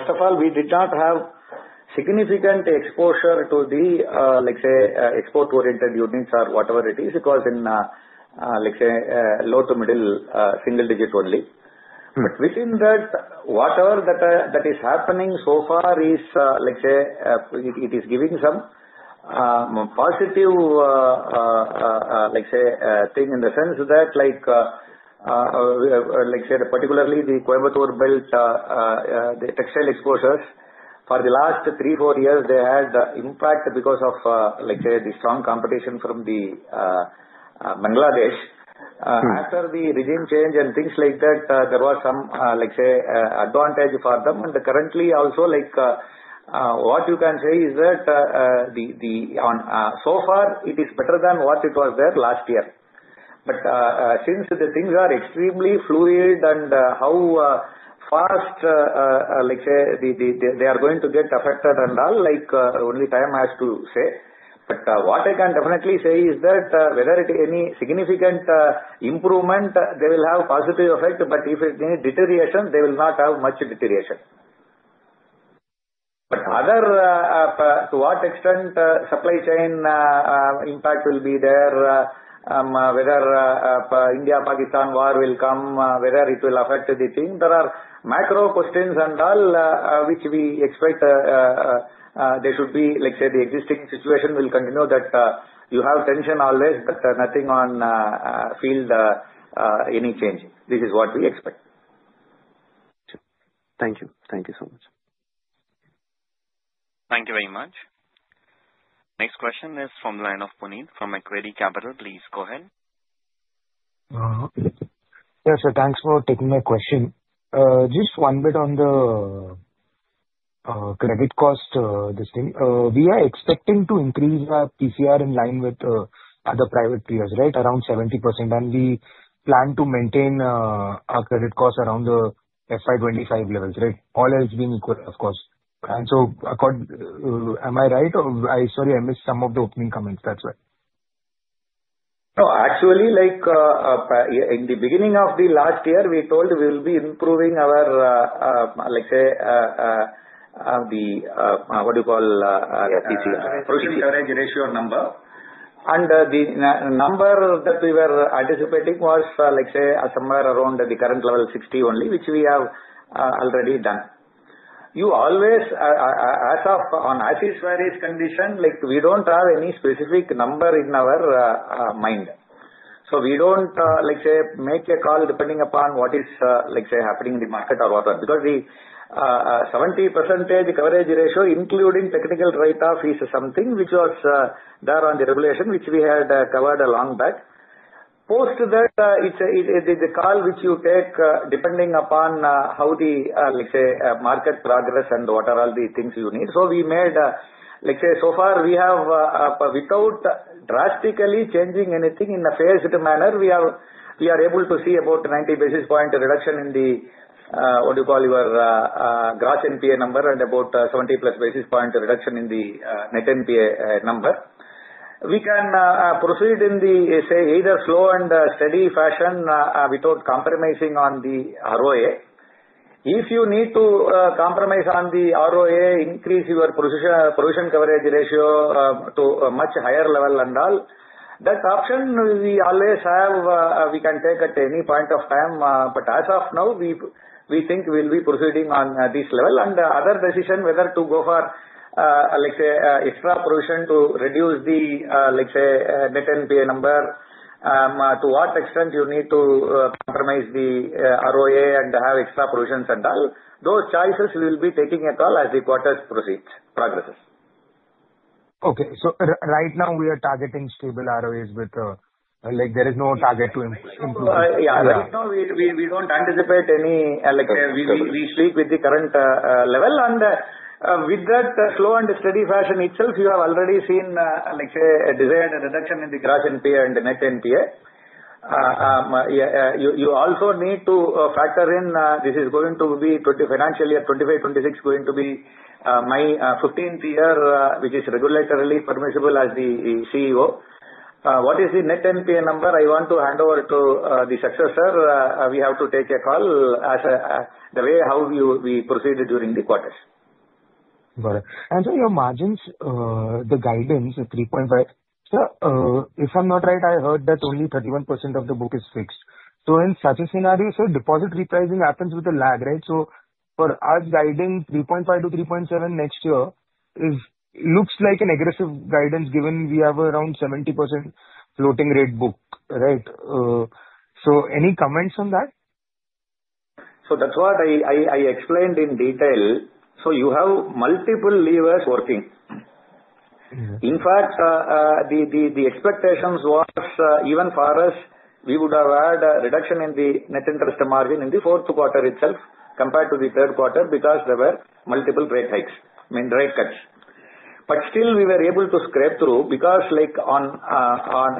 of all, we did not have significant exposure to the export-oriented units or whatever it is. It was in low to middle, single digit only. Within that, whatever is happening so far is, let's say, it is giving some positive, let's say, thing in the sense that, let's say, particularly the Coimbatore Belt, the textile exposures, for the last three or four years, they had the impact because of, let's say, the strong competition from Bangladesh. After the regime change and things like that, there was some, let's say, advantage for them. Currently, also, what you can say is that so far, it is better than what it was last year. Since the things are extremely fluid and how fast, let's say, they are going to get affected and all, only time has to say. What I can definitely say is that whether any significant improvement, they will have positive effect, but if it needs deterioration, they will not have much deterioration. To what extent supply chain impact will be there, whether India-Pakistan war will come, whether it will affect the thing, there are macro questions and all which we expect there should be, let's say, the existing situation will continue that you have tension always, but nothing on field, any change. This is what we expect. Thank you. Thank you so much. Thank you very much. Next question is from the line of Puneet from Macquarie Capital. Please go ahead. Yes, sir. Thanks for taking my question. Just one bit on the credit cost, this thing. We are expecting to increase our PCR in line with other private peers, right, around 70%. We plan to maintain our credit cost around the FY '25 levels, right? All else being equal, of course. Am I right? Sorry, I missed some of the opening comments. That's why. No, actually, in the beginning of the last year, we told we will be improving our, let's say, the what do you call? The average ratio. Average ratio number. And the number that we were anticipating was, let's say, somewhere around the current level 60 only, which we have already done. You always, as of on "as is where is" condition, we don't have any specific number in our mind. We don't, let's say, make a call depending upon what is, let's say, happening in the market or whatever. Because the 70% coverage ratio, including technical write-off, is something which was there on the regulation which we had covered a long back. Post that, it's the call which you take depending upon how the, let's say, market progress and what are all the things you need. We made, let's say, so far, we have, without drastically changing anything in a phased manner, we are able to see about 90 basis point reduction in the, what do you call, your gross NPA number and about 70 plus basis point reduction in the net NPA number. We can proceed in the, say, either slow and steady fashion without compromising on the ROA. If you need to compromise on the ROA, increase your provision coverage ratio to a much higher level and all. That option we always have, we can take at any point of time. As of now, we think we will be proceeding on this level. Other decision, whether to go for, let's say, extra provision to reduce the, let's say, net NPA number, to what extent you need to compromise the ROA and have extra provisions and all, those choices we will be taking a call as the quarters progress. Okay. Right now, we are targeting stable ROAs with there is no target to improve. Yeah. Right now, we don't anticipate any, we sleep with the current level. With that slow and steady fashion itself, you have already seen, let's say, a desired reduction in the gross NPA and net NPA. You also need to factor in this is going to be financial year 2025-2026, going to be my 15th year, which is regulatorily permissible as the CEO. What is the net NPA number I want to hand over to the successor. We have to take a call as the way how we proceeded during the quarters. Got it. Your margins, the guidance, 3.5. Sir, if I'm not right, I heard that only 31% of the book is fixed. In such a scenario, sir, deposit repricing happens with a lag, right? For us, guiding 3.5-3.7 next year looks like an aggressive guidance given we have around 70% floating rate book, right? Any comments on that? That's what I explained in detail. You have multiple levers working. In fact, the expectations was even for us, we would have had a reduction in the net interest margin in the fourth quarter itself compared to the third quarter because there were multiple rate hikes, I mean, rate cuts. Still, we were able to scrape through because on,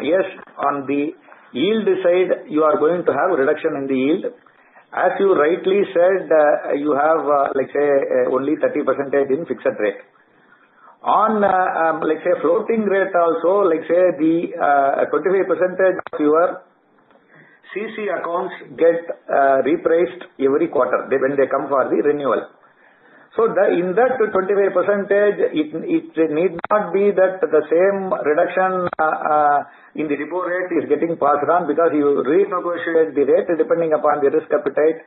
yes, on the yield side, you are going to have a reduction in the yield. As you rightly said, you have, let's say, only 30% in fixed rate. On, let's say, floating rate also, let's say, 25% of your CC accounts get repriced every quarter when they come for the renewal. In that 25%, it need not be that the same reduction in the repo rate is getting passed around because you renegotiate the rate depending upon the risk appetite,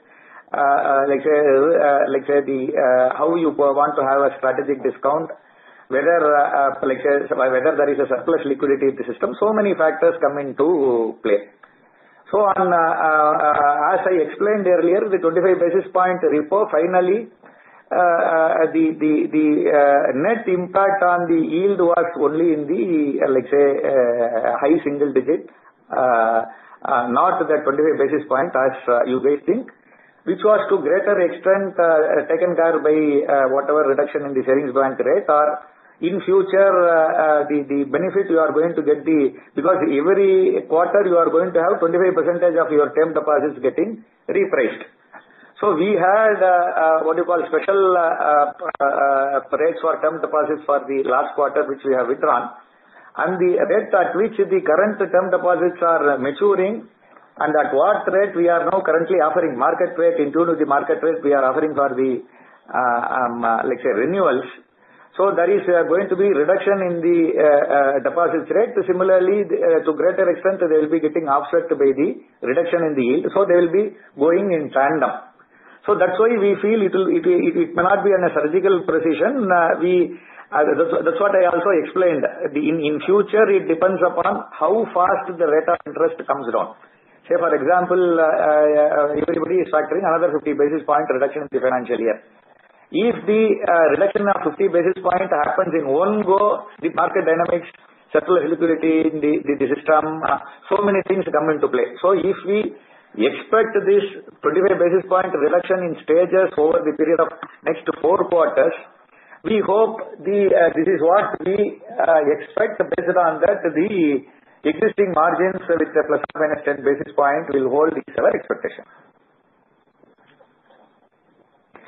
let's say, how you want to have a strategic discount, whether there is a surplus liquidity in the system. Many factors come into play. As I explained earlier, the 25 basis point repo, finally, the net impact on the yield was only in the, let's say, high single digit, not the 25 basis point as you may think, which was to a greater extent taken care of by whatever reduction in the savings bank rate or in future, the benefit you are going to get because every quarter, you are going to have 25% of your term deposits getting repriced. We had what you call special rates for term deposits for the last quarter, which we have withdrawn. The rate at which the current term deposits are maturing and at what rate we are now currently offering market rate in tune with the market rate we are offering for the, let's say, renewals. There is going to be reduction in the deposits rate. Similarly, to a greater extent, they will be getting offset by the reduction in the yield. They will be going in tandem. That is why we feel it may not be a surgical precision. That is what I also explained. In future, it depends upon how fast the rate of interest comes down. Say for example, everybody is factoring another 50 basis point reduction in the financial year. If the reduction of 50 basis point happens in one go, the market dynamics, circular liquidity, the system, so many things come into play. If we expect this 25 basis point reduction in stages over the period of next four quarters, we hope this is what we expect. Based on that, the existing margins with the plus or minus 10 basis point will hold its other expectation.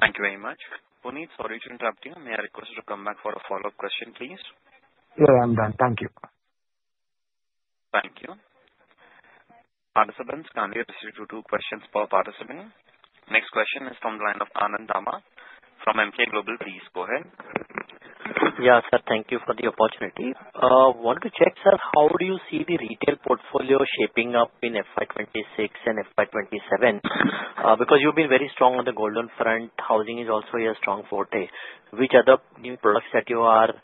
Thank you very much. Puneen, sorry to interrupt you. May I request to come back for a follow-up question, please? Yeah, I'm done. Thank you. Thank you. Participants, kindly proceed to two questions per participant. Next question is from the line of Anand Dama from Emkay Global. Please go ahead. Yeah, sir. Thank you for the opportunity. I want to check, sir, how do you see the retail portfolio shaping up in FY '26 and FY '27? Because you've been very strong on the gold loan front, housing is also a strong forte. Which other new products that you are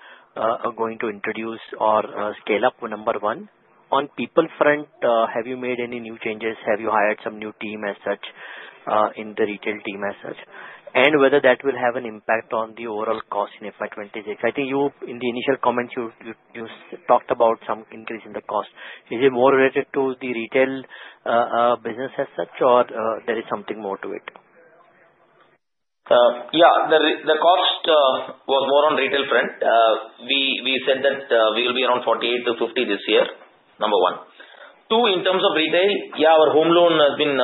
going to introduce or scale up? Number one, on people front, have you made any new changes? Have you hired some new team as such in the retail team as such? And whether that will have an impact on the overall cost in FY '26? I think in the initial comments, you talked about some increase in the cost. Is it more related to the retail business as such, or there is something more to it? Yeah, the cost was more on retail front. We said that we will be around 48-50% this year. Number one. Two, in terms of retail, yeah, our home loan has been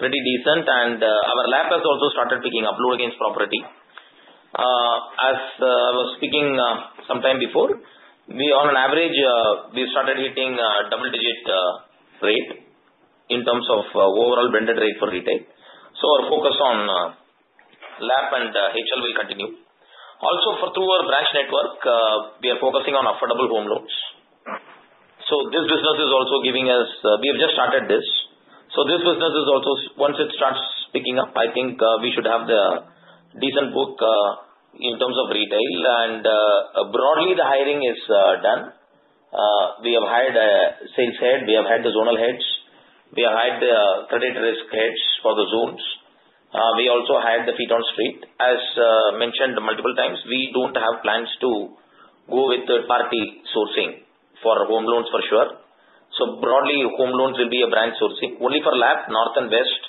pretty decent, and our LAP has also started picking up, loan against property. As I was speaking sometime before, on average, we started hitting a double-digit rate in terms of overall blended rate for retail. Our focus on LAP and HL will continue. Also, through our branch network, we are focusing on affordable home loans. This business is also giving us, we have just started this. This business is also, once it starts picking up, I think we should have the decent book in terms of retail. Broadly, the hiring is done. We have hired a sales head. We have hired the zonal heads. We have hired the credit risk heads for the zones. We also hired the feet on street. As mentioned multiple times, we do not have plans to go with third-party sourcing for home loans for sure. Broadly, home loans will be a branch sourcing. Only for LAP, north and west,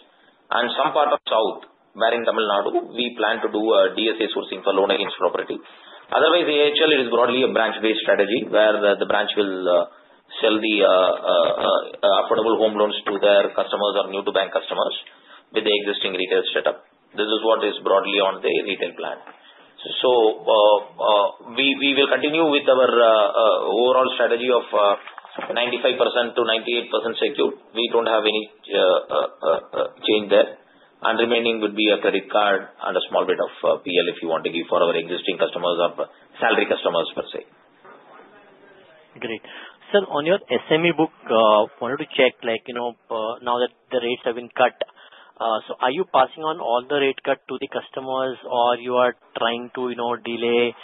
and some part of south, barring Tamil Nadu, we plan to do a DSA sourcing for loan against property. Otherwise, AHL, it is broadly a branch-based strategy where the branch will sell the affordable home loans to their customers or new-to-bank customers with the existing retail setup. This is what is broadly on the retail plan. We will continue with our overall strategy of 95%-98% secured. We do not have any change there. The remaining would be a credit card and a small bit of PL if you want to give for our existing customers or salary customers, per se. Great. Sir, on your SME book, wanted to check, now that the rates have been cut, are you passing on all the rate cut to the customers, or are you trying to delay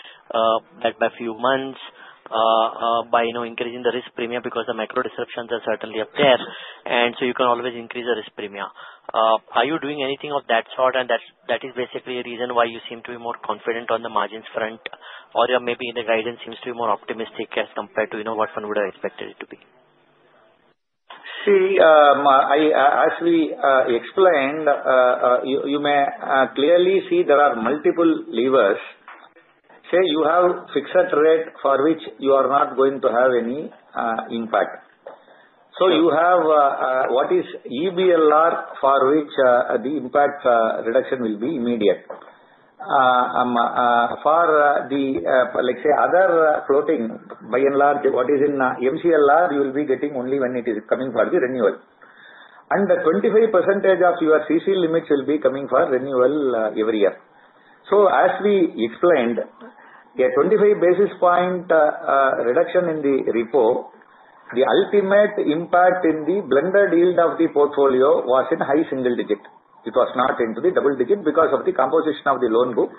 that by a few months by increasing the risk premium because the micro disruptions are certainly up there? You can always increase the risk premium. Are you doing anything of that sort? That is basically a reason why you seem to be more confident on the margins front, or maybe the guidance seems to be more optimistic as compared to what one would have expected it to be. See, as we explained, you may clearly see there are multiple levers. Say you have fixed rate for which you are not going to have any impact. You have what is EBLR for which the impact reduction will be immediate. For the, let's say, other floating, by and large, what is in MCLR, you will be getting only when it is coming for the renewal. The 25% of your CC limit will be coming for renewal every year. As we explained, a 25 basis point reduction in the repo, the ultimate impact in the blended yield of the portfolio was in high single digit. It was not into the double digit because of the composition of the loan book.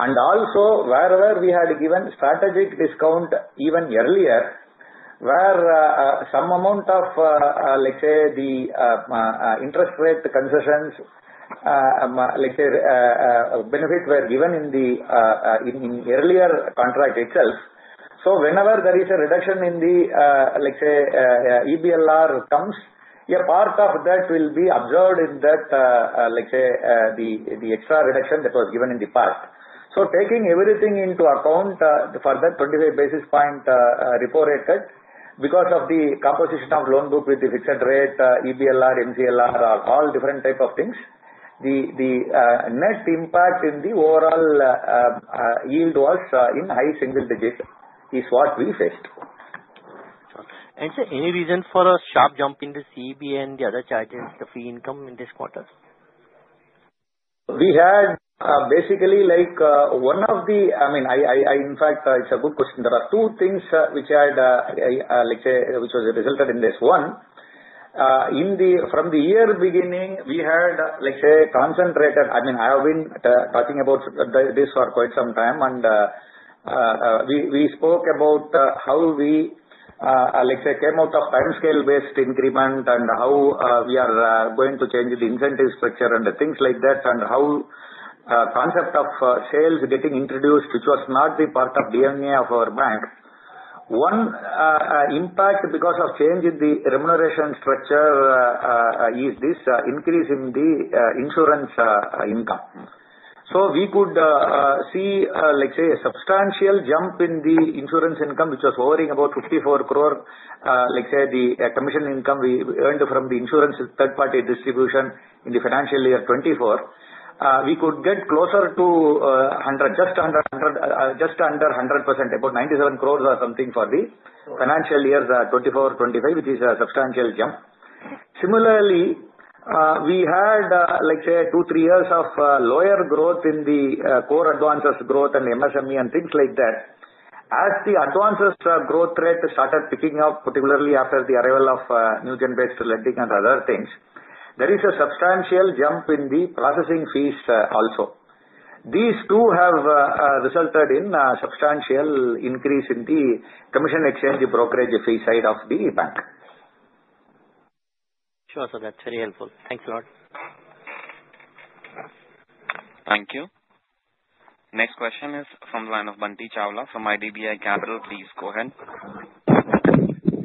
Also, wherever we had given strategic discount even earlier, where some amount of, let's say, the interest rate concessions, let's say, benefit were given in the earlier contract itself. Whenever there is a reduction in the, let's say, EBLR comes, a part of that will be absorbed in that, let's say, the extra reduction that was given in the past. Taking everything into account for that 25 basis point repo rate cut, because of the composition of loan book with the fixed rate, EBLR, MCLR, or all different type of things, the net impact in the overall yield was in high single digit is what we faced. Sir, any reason for a sharp jump in the CEB and the other charges, the fee income in this quarter? We had basically one of the, I mean, in fact, it's a good question. There are two things which had, let's say, which was resulted in this. One, from the year beginning, we had, let's say, concentrated. I mean, I have been talking about this for quite some time, and we spoke about how we, let's say, came out of timescale-based increment and how we are going to change the incentive structure and things like that, and how concept of sales getting introduced, which was not the part of DMA of our bank. One impact because of change in the remuneration structure is this increase in the insurance income. So we could see, let's say, a substantial jump in the insurance income, which was hovering about 54 crore, let's say, the commission income we earned from the insurance third-party distribution in the Financial Year '24. We could get closer to just under 100%, about 97 crore or something for the Financial Year '24-25, which is a substantial jump. Similarly, we had, let's say, two, three years of lower growth in the core advances, growth and MSME and things like that. As the advances growth rate started picking up, particularly after the arrival of new gen based lending and other things, there is a substantial jump in the processing fees also. These two have resulted in a substantial increase in the commission exchange brokerage fee side of the bank. Sure, sir. That's very helpful. Thanks a lot. Thank you. Next question is from the line of Bunty Chawla from IDBI Capital. Please go ahead.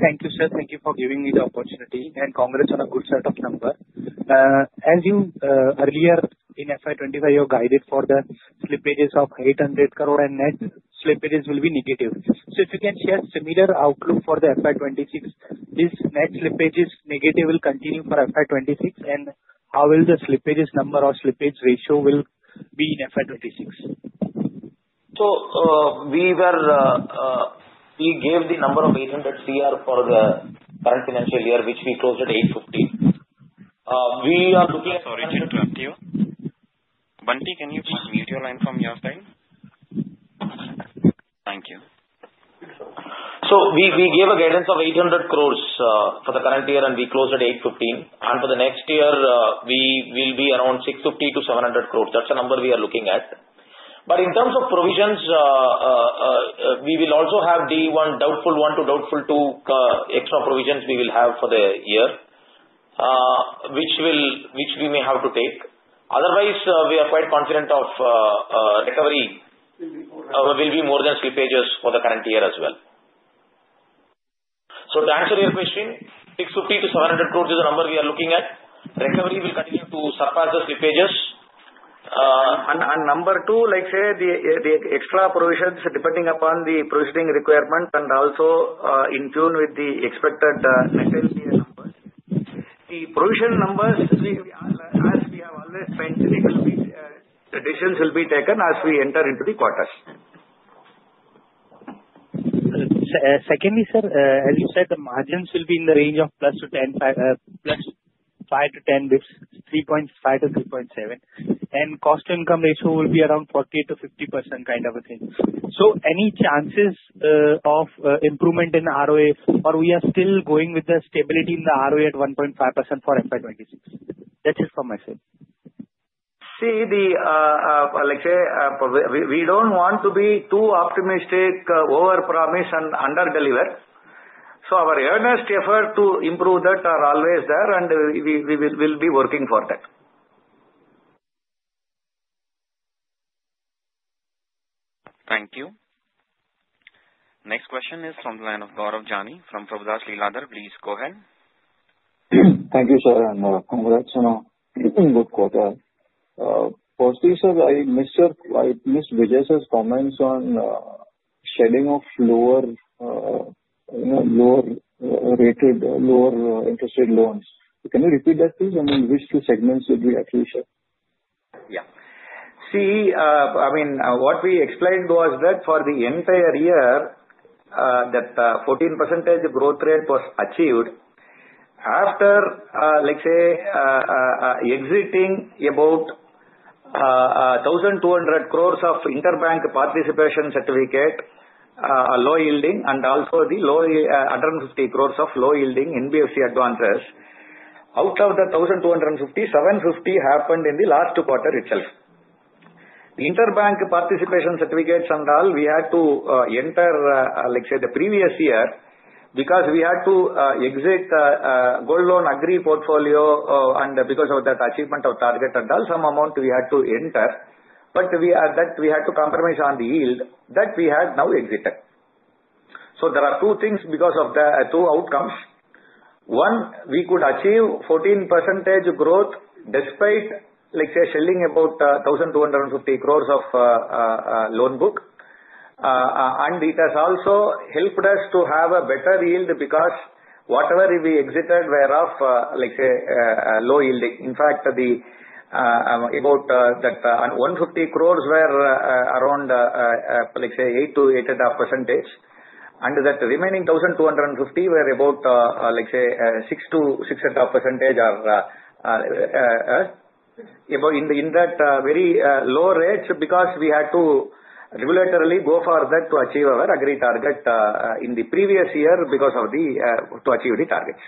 Thank you, sir. Thank you for giving me the opportunity. Congrats on a good setup number. As you earlier in FY '25, you guided for the slip pages of 800 crore and net slip pages will be negative. If you can share similar outlook for FY '26, this net slippage as negative will continue for FY '26, and how will the slippage number or slippage ratio be in FY '26? We gave the number of 800 crore for the current financial year, which we closed at 815 crore. We are looking at— Sorry, sir. Bunty, can you please mute your line from your side? Thank you. We gave a guidance of 800 crore for the current year, and we closed at 815 crore. For the next year, we will be around 650-700 crore. That is the number we are looking at. In terms of provisions, we will also have D1, doubtful one to doubtful two extra provisions we will have for the year, which we may have to take. Otherwise, we are quite confident of recovery will be more than slip pages for the current year as well. To answer your question, 650 crore-700 crore is the number we are looking at. Recovery will continue to surpass the slippages. Number two, let's say the extra provisions depending upon the provisioning requirement and also in tune with the expected net NPA numbers. The provision numbers, as we have always mentioned, decisions will be taken as we enter into the quarters. Secondly, sir, as you said, the margins will be in the range of plus 5 to 10, 3.5-3.7, and cost to income ratio will be around 40%-50% kind of a thing. Any chances of improvement in the ROA? Or we are still going with the stability in the ROA at 1.5% for FY '26? That's it from my side. See, let's say we don't want to be too optimistic, overpromise, and under-deliver. Our earnest effort to improve that are always there, and we will be working for that. Thank you. Next question is from the line of Gaurav Jani from Prabhudas Liladher. Please go ahead. Thank you, sir. And congrats on a good quarter. Firstly, I missed Vijay sir's comments on shedding of lower rated, lower interest rate loans. Can you repeat that, please? I mean, which two segments would we actually shed? Yeah. See, I mean, what we explained was that for the entire year, that 14% growth rate was achieved after, let's say, exiting about 1,200 crore of Interbank Participation Certificate, low yielding, and also the 150 crore of low yielding NBFC advances. Out of the 1,250 crore, 750 crore happened in the last quarter itself. The interbank participation certificates and all, we had to enter, let's say, the previous year because we had to exit the gold loan agree portfolio, and because of that achievement of target and all, some amount we had to enter. We had to compromise on the yield that we had now exited. There are two things because of the two outcomes. One, we could achieve 14% growth despite, let's say, shedding about 1,250 crore of loan book. It has also helped us to have a better yield because whatever we exited were of, let's say, low yielding. In fact, about that 150 crore were around, let's say, 8-8.5%. That remaining 1,250 were about, let's say, 6-6.5% in that very low range because we had to regulatorily go for that to achieve our agree target in the previous year because of the to achieve the targets.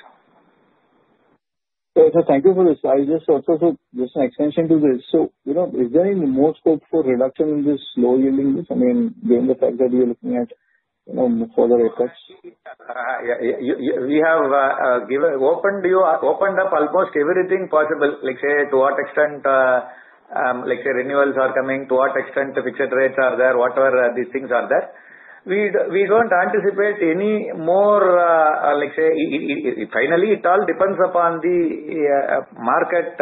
Thank you for this. I just also said just an extension to this. Is there any more scope for reduction in this low yielding? I mean, given the fact that you're looking at further effects? We have opened up almost everything possible, let's say, to what extent renewals are coming, to what extent fixed rates are there, whatever these things are there. We don't anticipate any more, let's say, finally, it all depends upon the market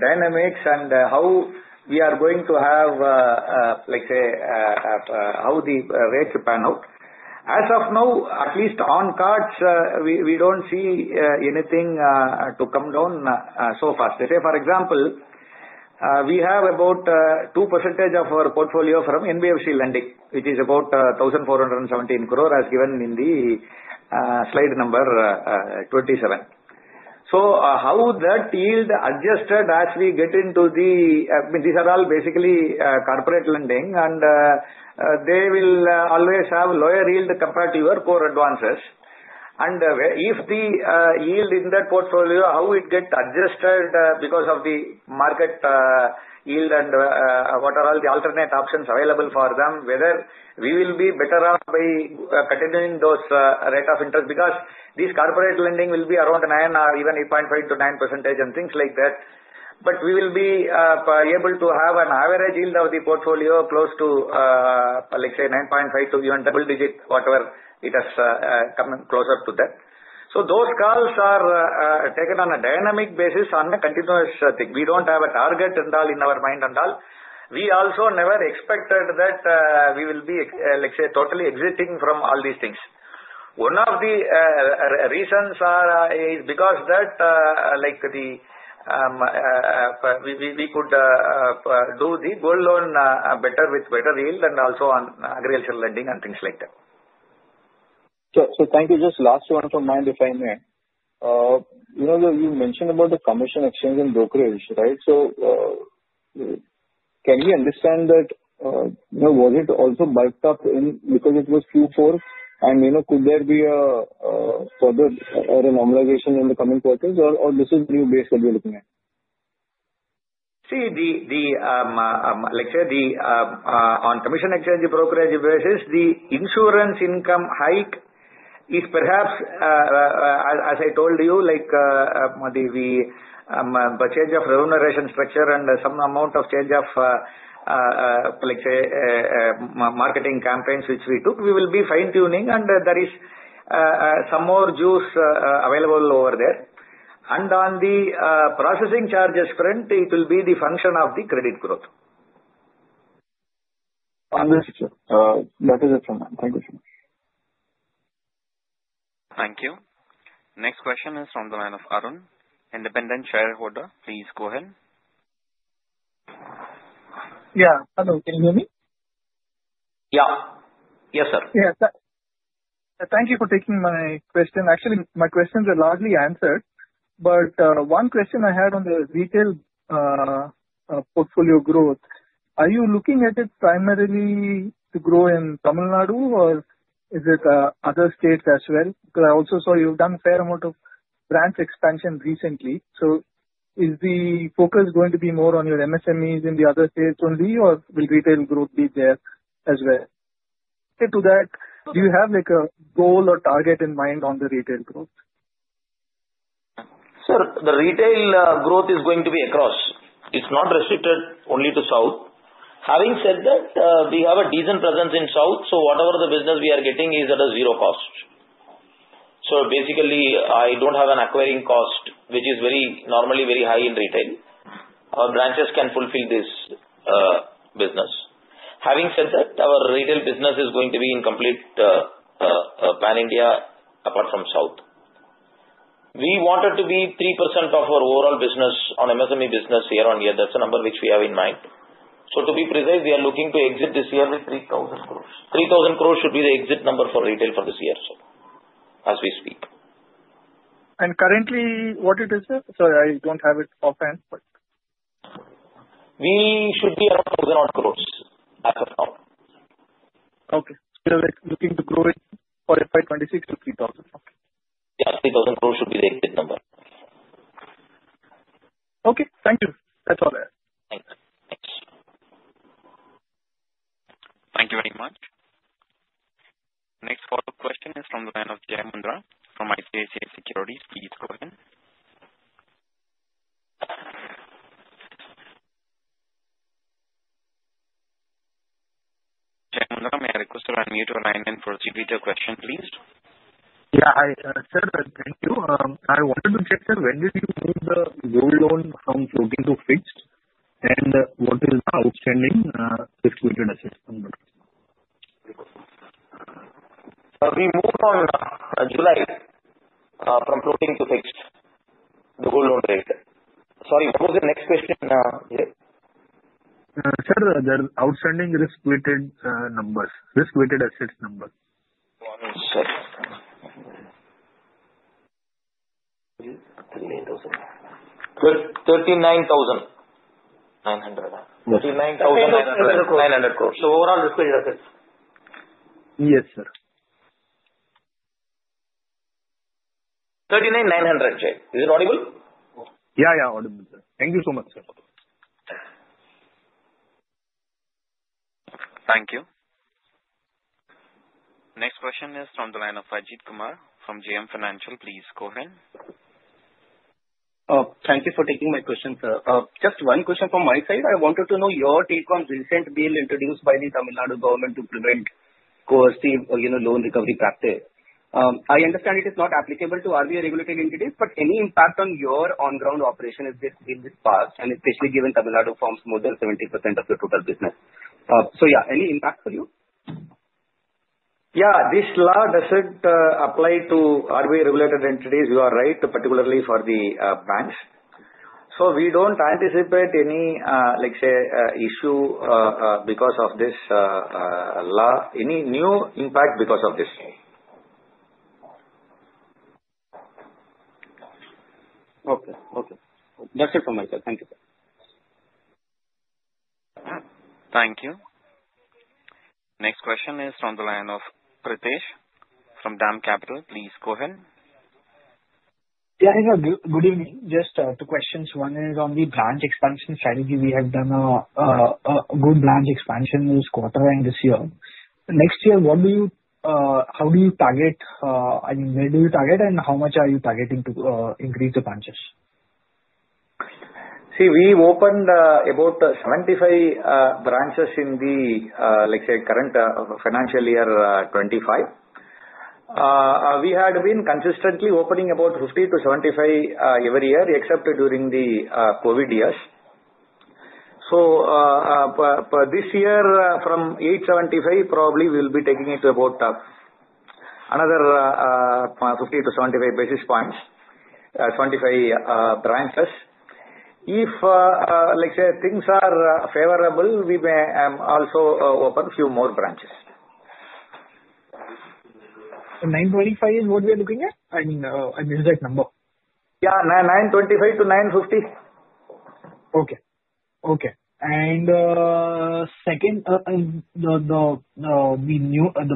dynamics and how we are going to have, let's say, how the rates pan out. As of now, at least on cards, we don't see anything to come down so far. Let's say, for example, we have about 2% of our portfolio from NBFC lending, which is about 1,417 crore, as given in the slide number 27. How that yield adjusted as we get into the, I mean, these are all basically corporate lending, and they will always have lower yield compared to your core advances. If the yield in that portfolio, how it gets adjusted because of the market yield and what are all the alternate options available for them, whether we will be better off by continuing those rate of interest because this corporate lending will be around 9% or even 8.5-9% and things like that. We will be able to have an average yield of the portfolio close to, let's say, 9.5% to even double digit, whatever it has come closer to that. Those calls are taken on a dynamic basis on a continuous thing. We don't have a target in our mind and all. We also never expected that we will be, let's say, totally exiting from all these things. One of the reasons is because we could do the gold loan better with better yield and also on agricultural lending and things like that. Sure. Thank you. Just last one from my end, if I may. You mentioned about the commission exchange and brokerage, right? Can you understand, was it also bulked up because it was Q4? Could there be a further normalization in the coming quarters, or is this the new base that you're looking at? See, let's say, on commission exchange and brokerage basis, the insurance income hike is perhaps, as I told you, the change of remuneration structure and some amount of change of, let's say, marketing campaigns which we took, we will be fine-tuning, and there is some more juice available over there. On the processing charges front, it will be the function of the credit growth. Understood, sir. That is it from mine. Thank you so much. Thank you. Next question is from the line of Arun. Independent Shareholder, please go ahead. Yeah. Hello. Can you hear me? Yeah. Yes, sir. Yes, sir. Thank you for taking my question. Actually, my questions are largely answered. One question I had on the retail portfolio growth. Are you looking at it primarily to grow in Tamil Nadu, or is it other states as well? Because I also saw you've done a fair amount of branch expansion recently. Is the focus going to be more on your MSMEs in the other states only, or will retail growth be there as well? To that, do you have a goal or target in mind on the retail growth? Sir, the retail growth is going to be across. It's not restricted only to South. Having said that, we have a decent presence in South, so whatever the business we are getting is at a zero cost. I don't have an acquiring cost, which is normally very high in retail. Our branches can fulfill this business. Having said that, our retail business is going to be in complete Pan India apart from South. We wanted to be 3% of our overall business on MSME business year on year. That's the number which we have in mind. To be precise, we are looking to exit this year with 3,000 crore. 3,000 crore should be the exit number for retail for this year, sir, as we speak. Currently, what is it, sir? Sorry, I don't have it open, but We should be around 1,000 crore as of now. Okay. Looking to grow it for FY '26 to 3,000 crore. Yeah. 3,000 crore should be the exit number. Okay. Thank you. That's all I have. Thanks. Thanks. Thank you very much. Next follow-up question is from the line of Jai Mundhra from ICICI Securities. Please go ahead. Jai Mundhra, may I request to unmute your line and proceed with your question, please? Yeah. I said that. Thank you. I wanted to check, sir, when did you move the Gold Loans from floating to fixed? And what is the outstanding fiscal year assessment? We moved on July from floating to fixed, the gold loan rate. Sorry, what was the next question? Sir, there are outstanding risk-weighted numbers, risk-weighted assets number. One second. 39,900. 39,900 crores. So overall risk-weighted assets. Yes, sir. 39,900. Is it audible? Yeah. Yeah. Audible, sir. Thank you so much, sir. Thank you. Next question is from the line of Ajit Kumar from JM Financial. Please go ahead. Thank you for taking my question, sir. Just one question from my side. I wanted to know your take on recent bill introduced by the Tamil Nadu government to prevent coercive loan recovery practice. I understand it is not applicable to RBI regulated entities, but any impact on your on-ground operation has been this past, and especially given Tamil Nadu forms more than 70% of your total business. Yeah, any impact for you? Yeah. This law does not apply to RBI regulated entities. You are right, particularly for the banks. We do not anticipate any, let's say, issue because of this law. Any new impact because of this? Okay. Okay. That is it from my side. Thank you, sir. Thank you. Next question is from the line of Pritesh from Dam Capital. Please go ahead. Yeah. Good evening. Just two questions. One is on the branch expansion strategy. We have done a good branch expansion this quarter and this year. Next year, how do you target? I mean, where do you target, and how much are you targeting to increase the branches? See, we opened about 75 branches in the, let's say, current Financial Year '25. We had been consistently opening about 50 to 75 every year, except during the COVID years. This year, from 875, probably we'll be taking it to about another 50 to 75 basis points, 75 branches. If, let's say, things are favorable, we may also open a few more branches. 925 is what we are looking at? I mean, I missed that number. Yeah. 925-950. Okay. Okay. The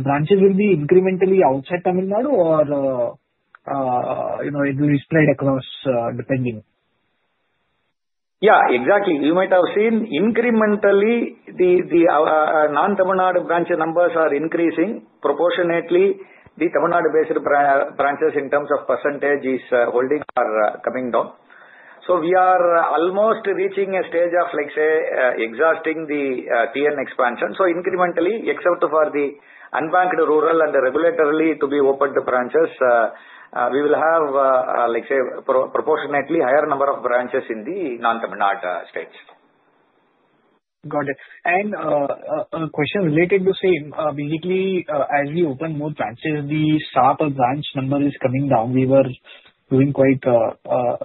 branches will be incrementally outside Tamil Nadu, or it will be spread across depending? Yeah. Exactly. You might have seen incrementally, the non-Tamil Nadu branch numbers are increasing. Proportionately, the Tamil Nadu-based branches in terms of percentage is holding or coming down. We are almost reaching a stage of, let's say, exhausting the TN expansion. Incrementally, except for the unbanked rural and the regulatory to be opened branches, we will have, let's say, proportionately higher number of branches in the non-Tamil Nadu states. Got it. A question related to same. Basically, as we open more branches, the SA per branch number is coming down. We were doing quite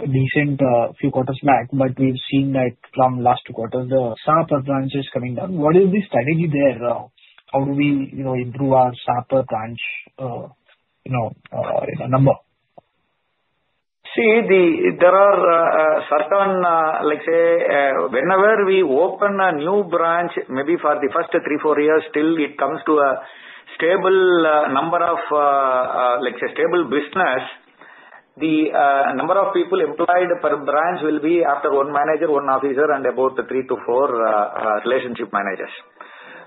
decent a few quarters back, but we've seen that from last two quarters, the SA per branch is coming down. What is the strategy there? How do we improve our SA per branch number? See, there are certain, let's say, whenever we open a new branch, maybe for the first three, four years, till it comes to a stable number of, let's say, stable business, the number of people employed per branch will be after one manager, one officer, and about three to four relationship managers.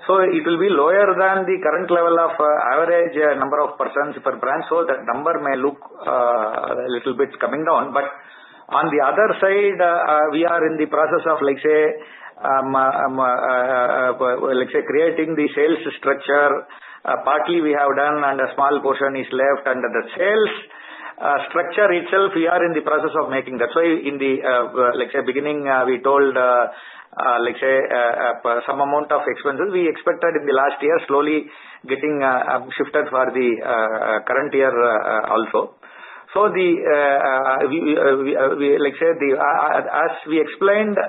It will be lower than the current level of average number of persons per branch. That number may look a little bit coming down. On the other side, we are in the process of, let's say, creating the sales structure. Partly, we have done, and a small portion is left under the sales structure itself. We are in the process of making that. In the beginning, we told, let's say, some amount of expenses. We expected in the last year slowly getting shifted for the current year also. Let's say, as we explained,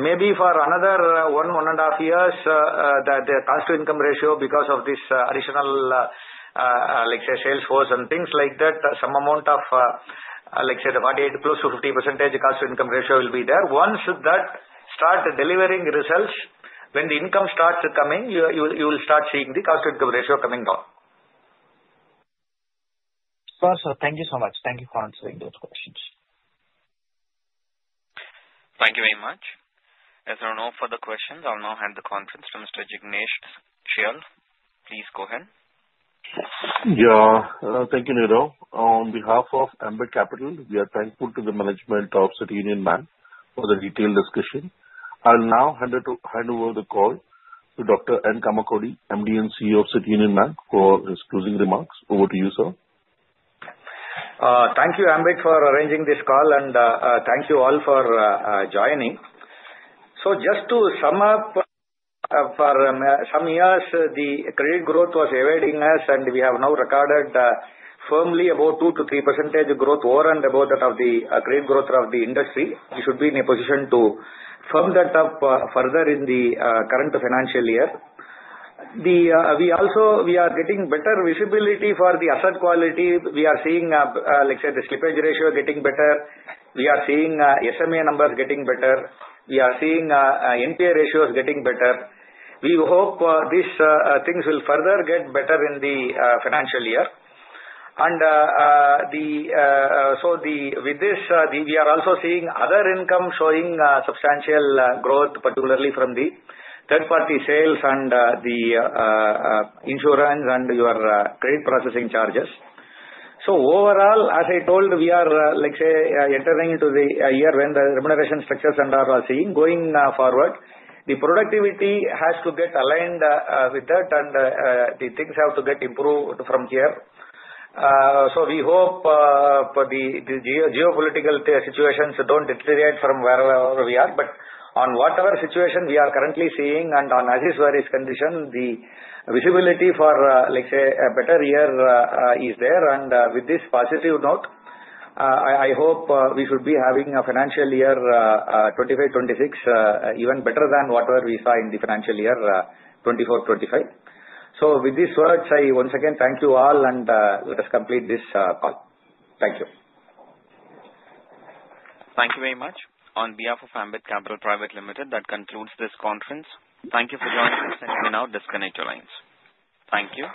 maybe for another one and a half years, the cost-to-income ratio because of this additional, let's say, sales force and things like that, some amount of, let's say, the 48%-50% cost-to-income ratio will be there. Once that starts delivering results, when the income starts coming, you will start seeing the cost-to-income ratio coming down. Sure, sir. Thank you so much. Thank you for answering those questions. Thank you very much. As there are no further questions, I'll now hand the conference to Mr. Jignesh Shial. Please go ahead. Yeah. Thank you. On behalf of Ambit Capital, we are thankful to the management of City Union Bank for the detailed discussion. I'll now hand over the call to Dr. N. Kamakodi, MD and CEO of City Union Bank, for his closing remarks. Over to you, sir. Thank you, Ambit, for arranging this call, and thank you all for joining. Just to sum up, for some years, the credit growth was awaiting us, and we have now recorded firmly about 2-3% growth over and above that of the credit growth of the industry. We should be in a position to firm that up further in the current financial year. We are getting better visibility for the asset quality. We are seeing, let's say, the slippage ratio getting better. We are seeing SMA numbers getting better. We are seeing NPA ratios getting better. We hope these things will further get better in the financial year. With this, we are also seeing other income showing substantial growth, particularly from the third-party sales and the insurance and your credit processing charges. Overall, as I told, we are, let's say, entering into the year when the remuneration structures are seeing going forward. The productivity has to get aligned with that, and the things have to get improved from here. We hope the geopolitical situations do not deteriorate from where we are. On whatever situation we are currently seeing and on as-is various condition, the visibility for, let's say, a better year is there. With this positive note, I hope we should be having a Financial Year '25-26 even better than whatever we saw in the Financial Year '24-25. With these words, I once again thank you all, and let us complete this call. Thank you. Thank you very much. On behalf of Ambit Capital, that concludes this conference. Thank you for joining us, and you may now disconnect your lines. Thank you.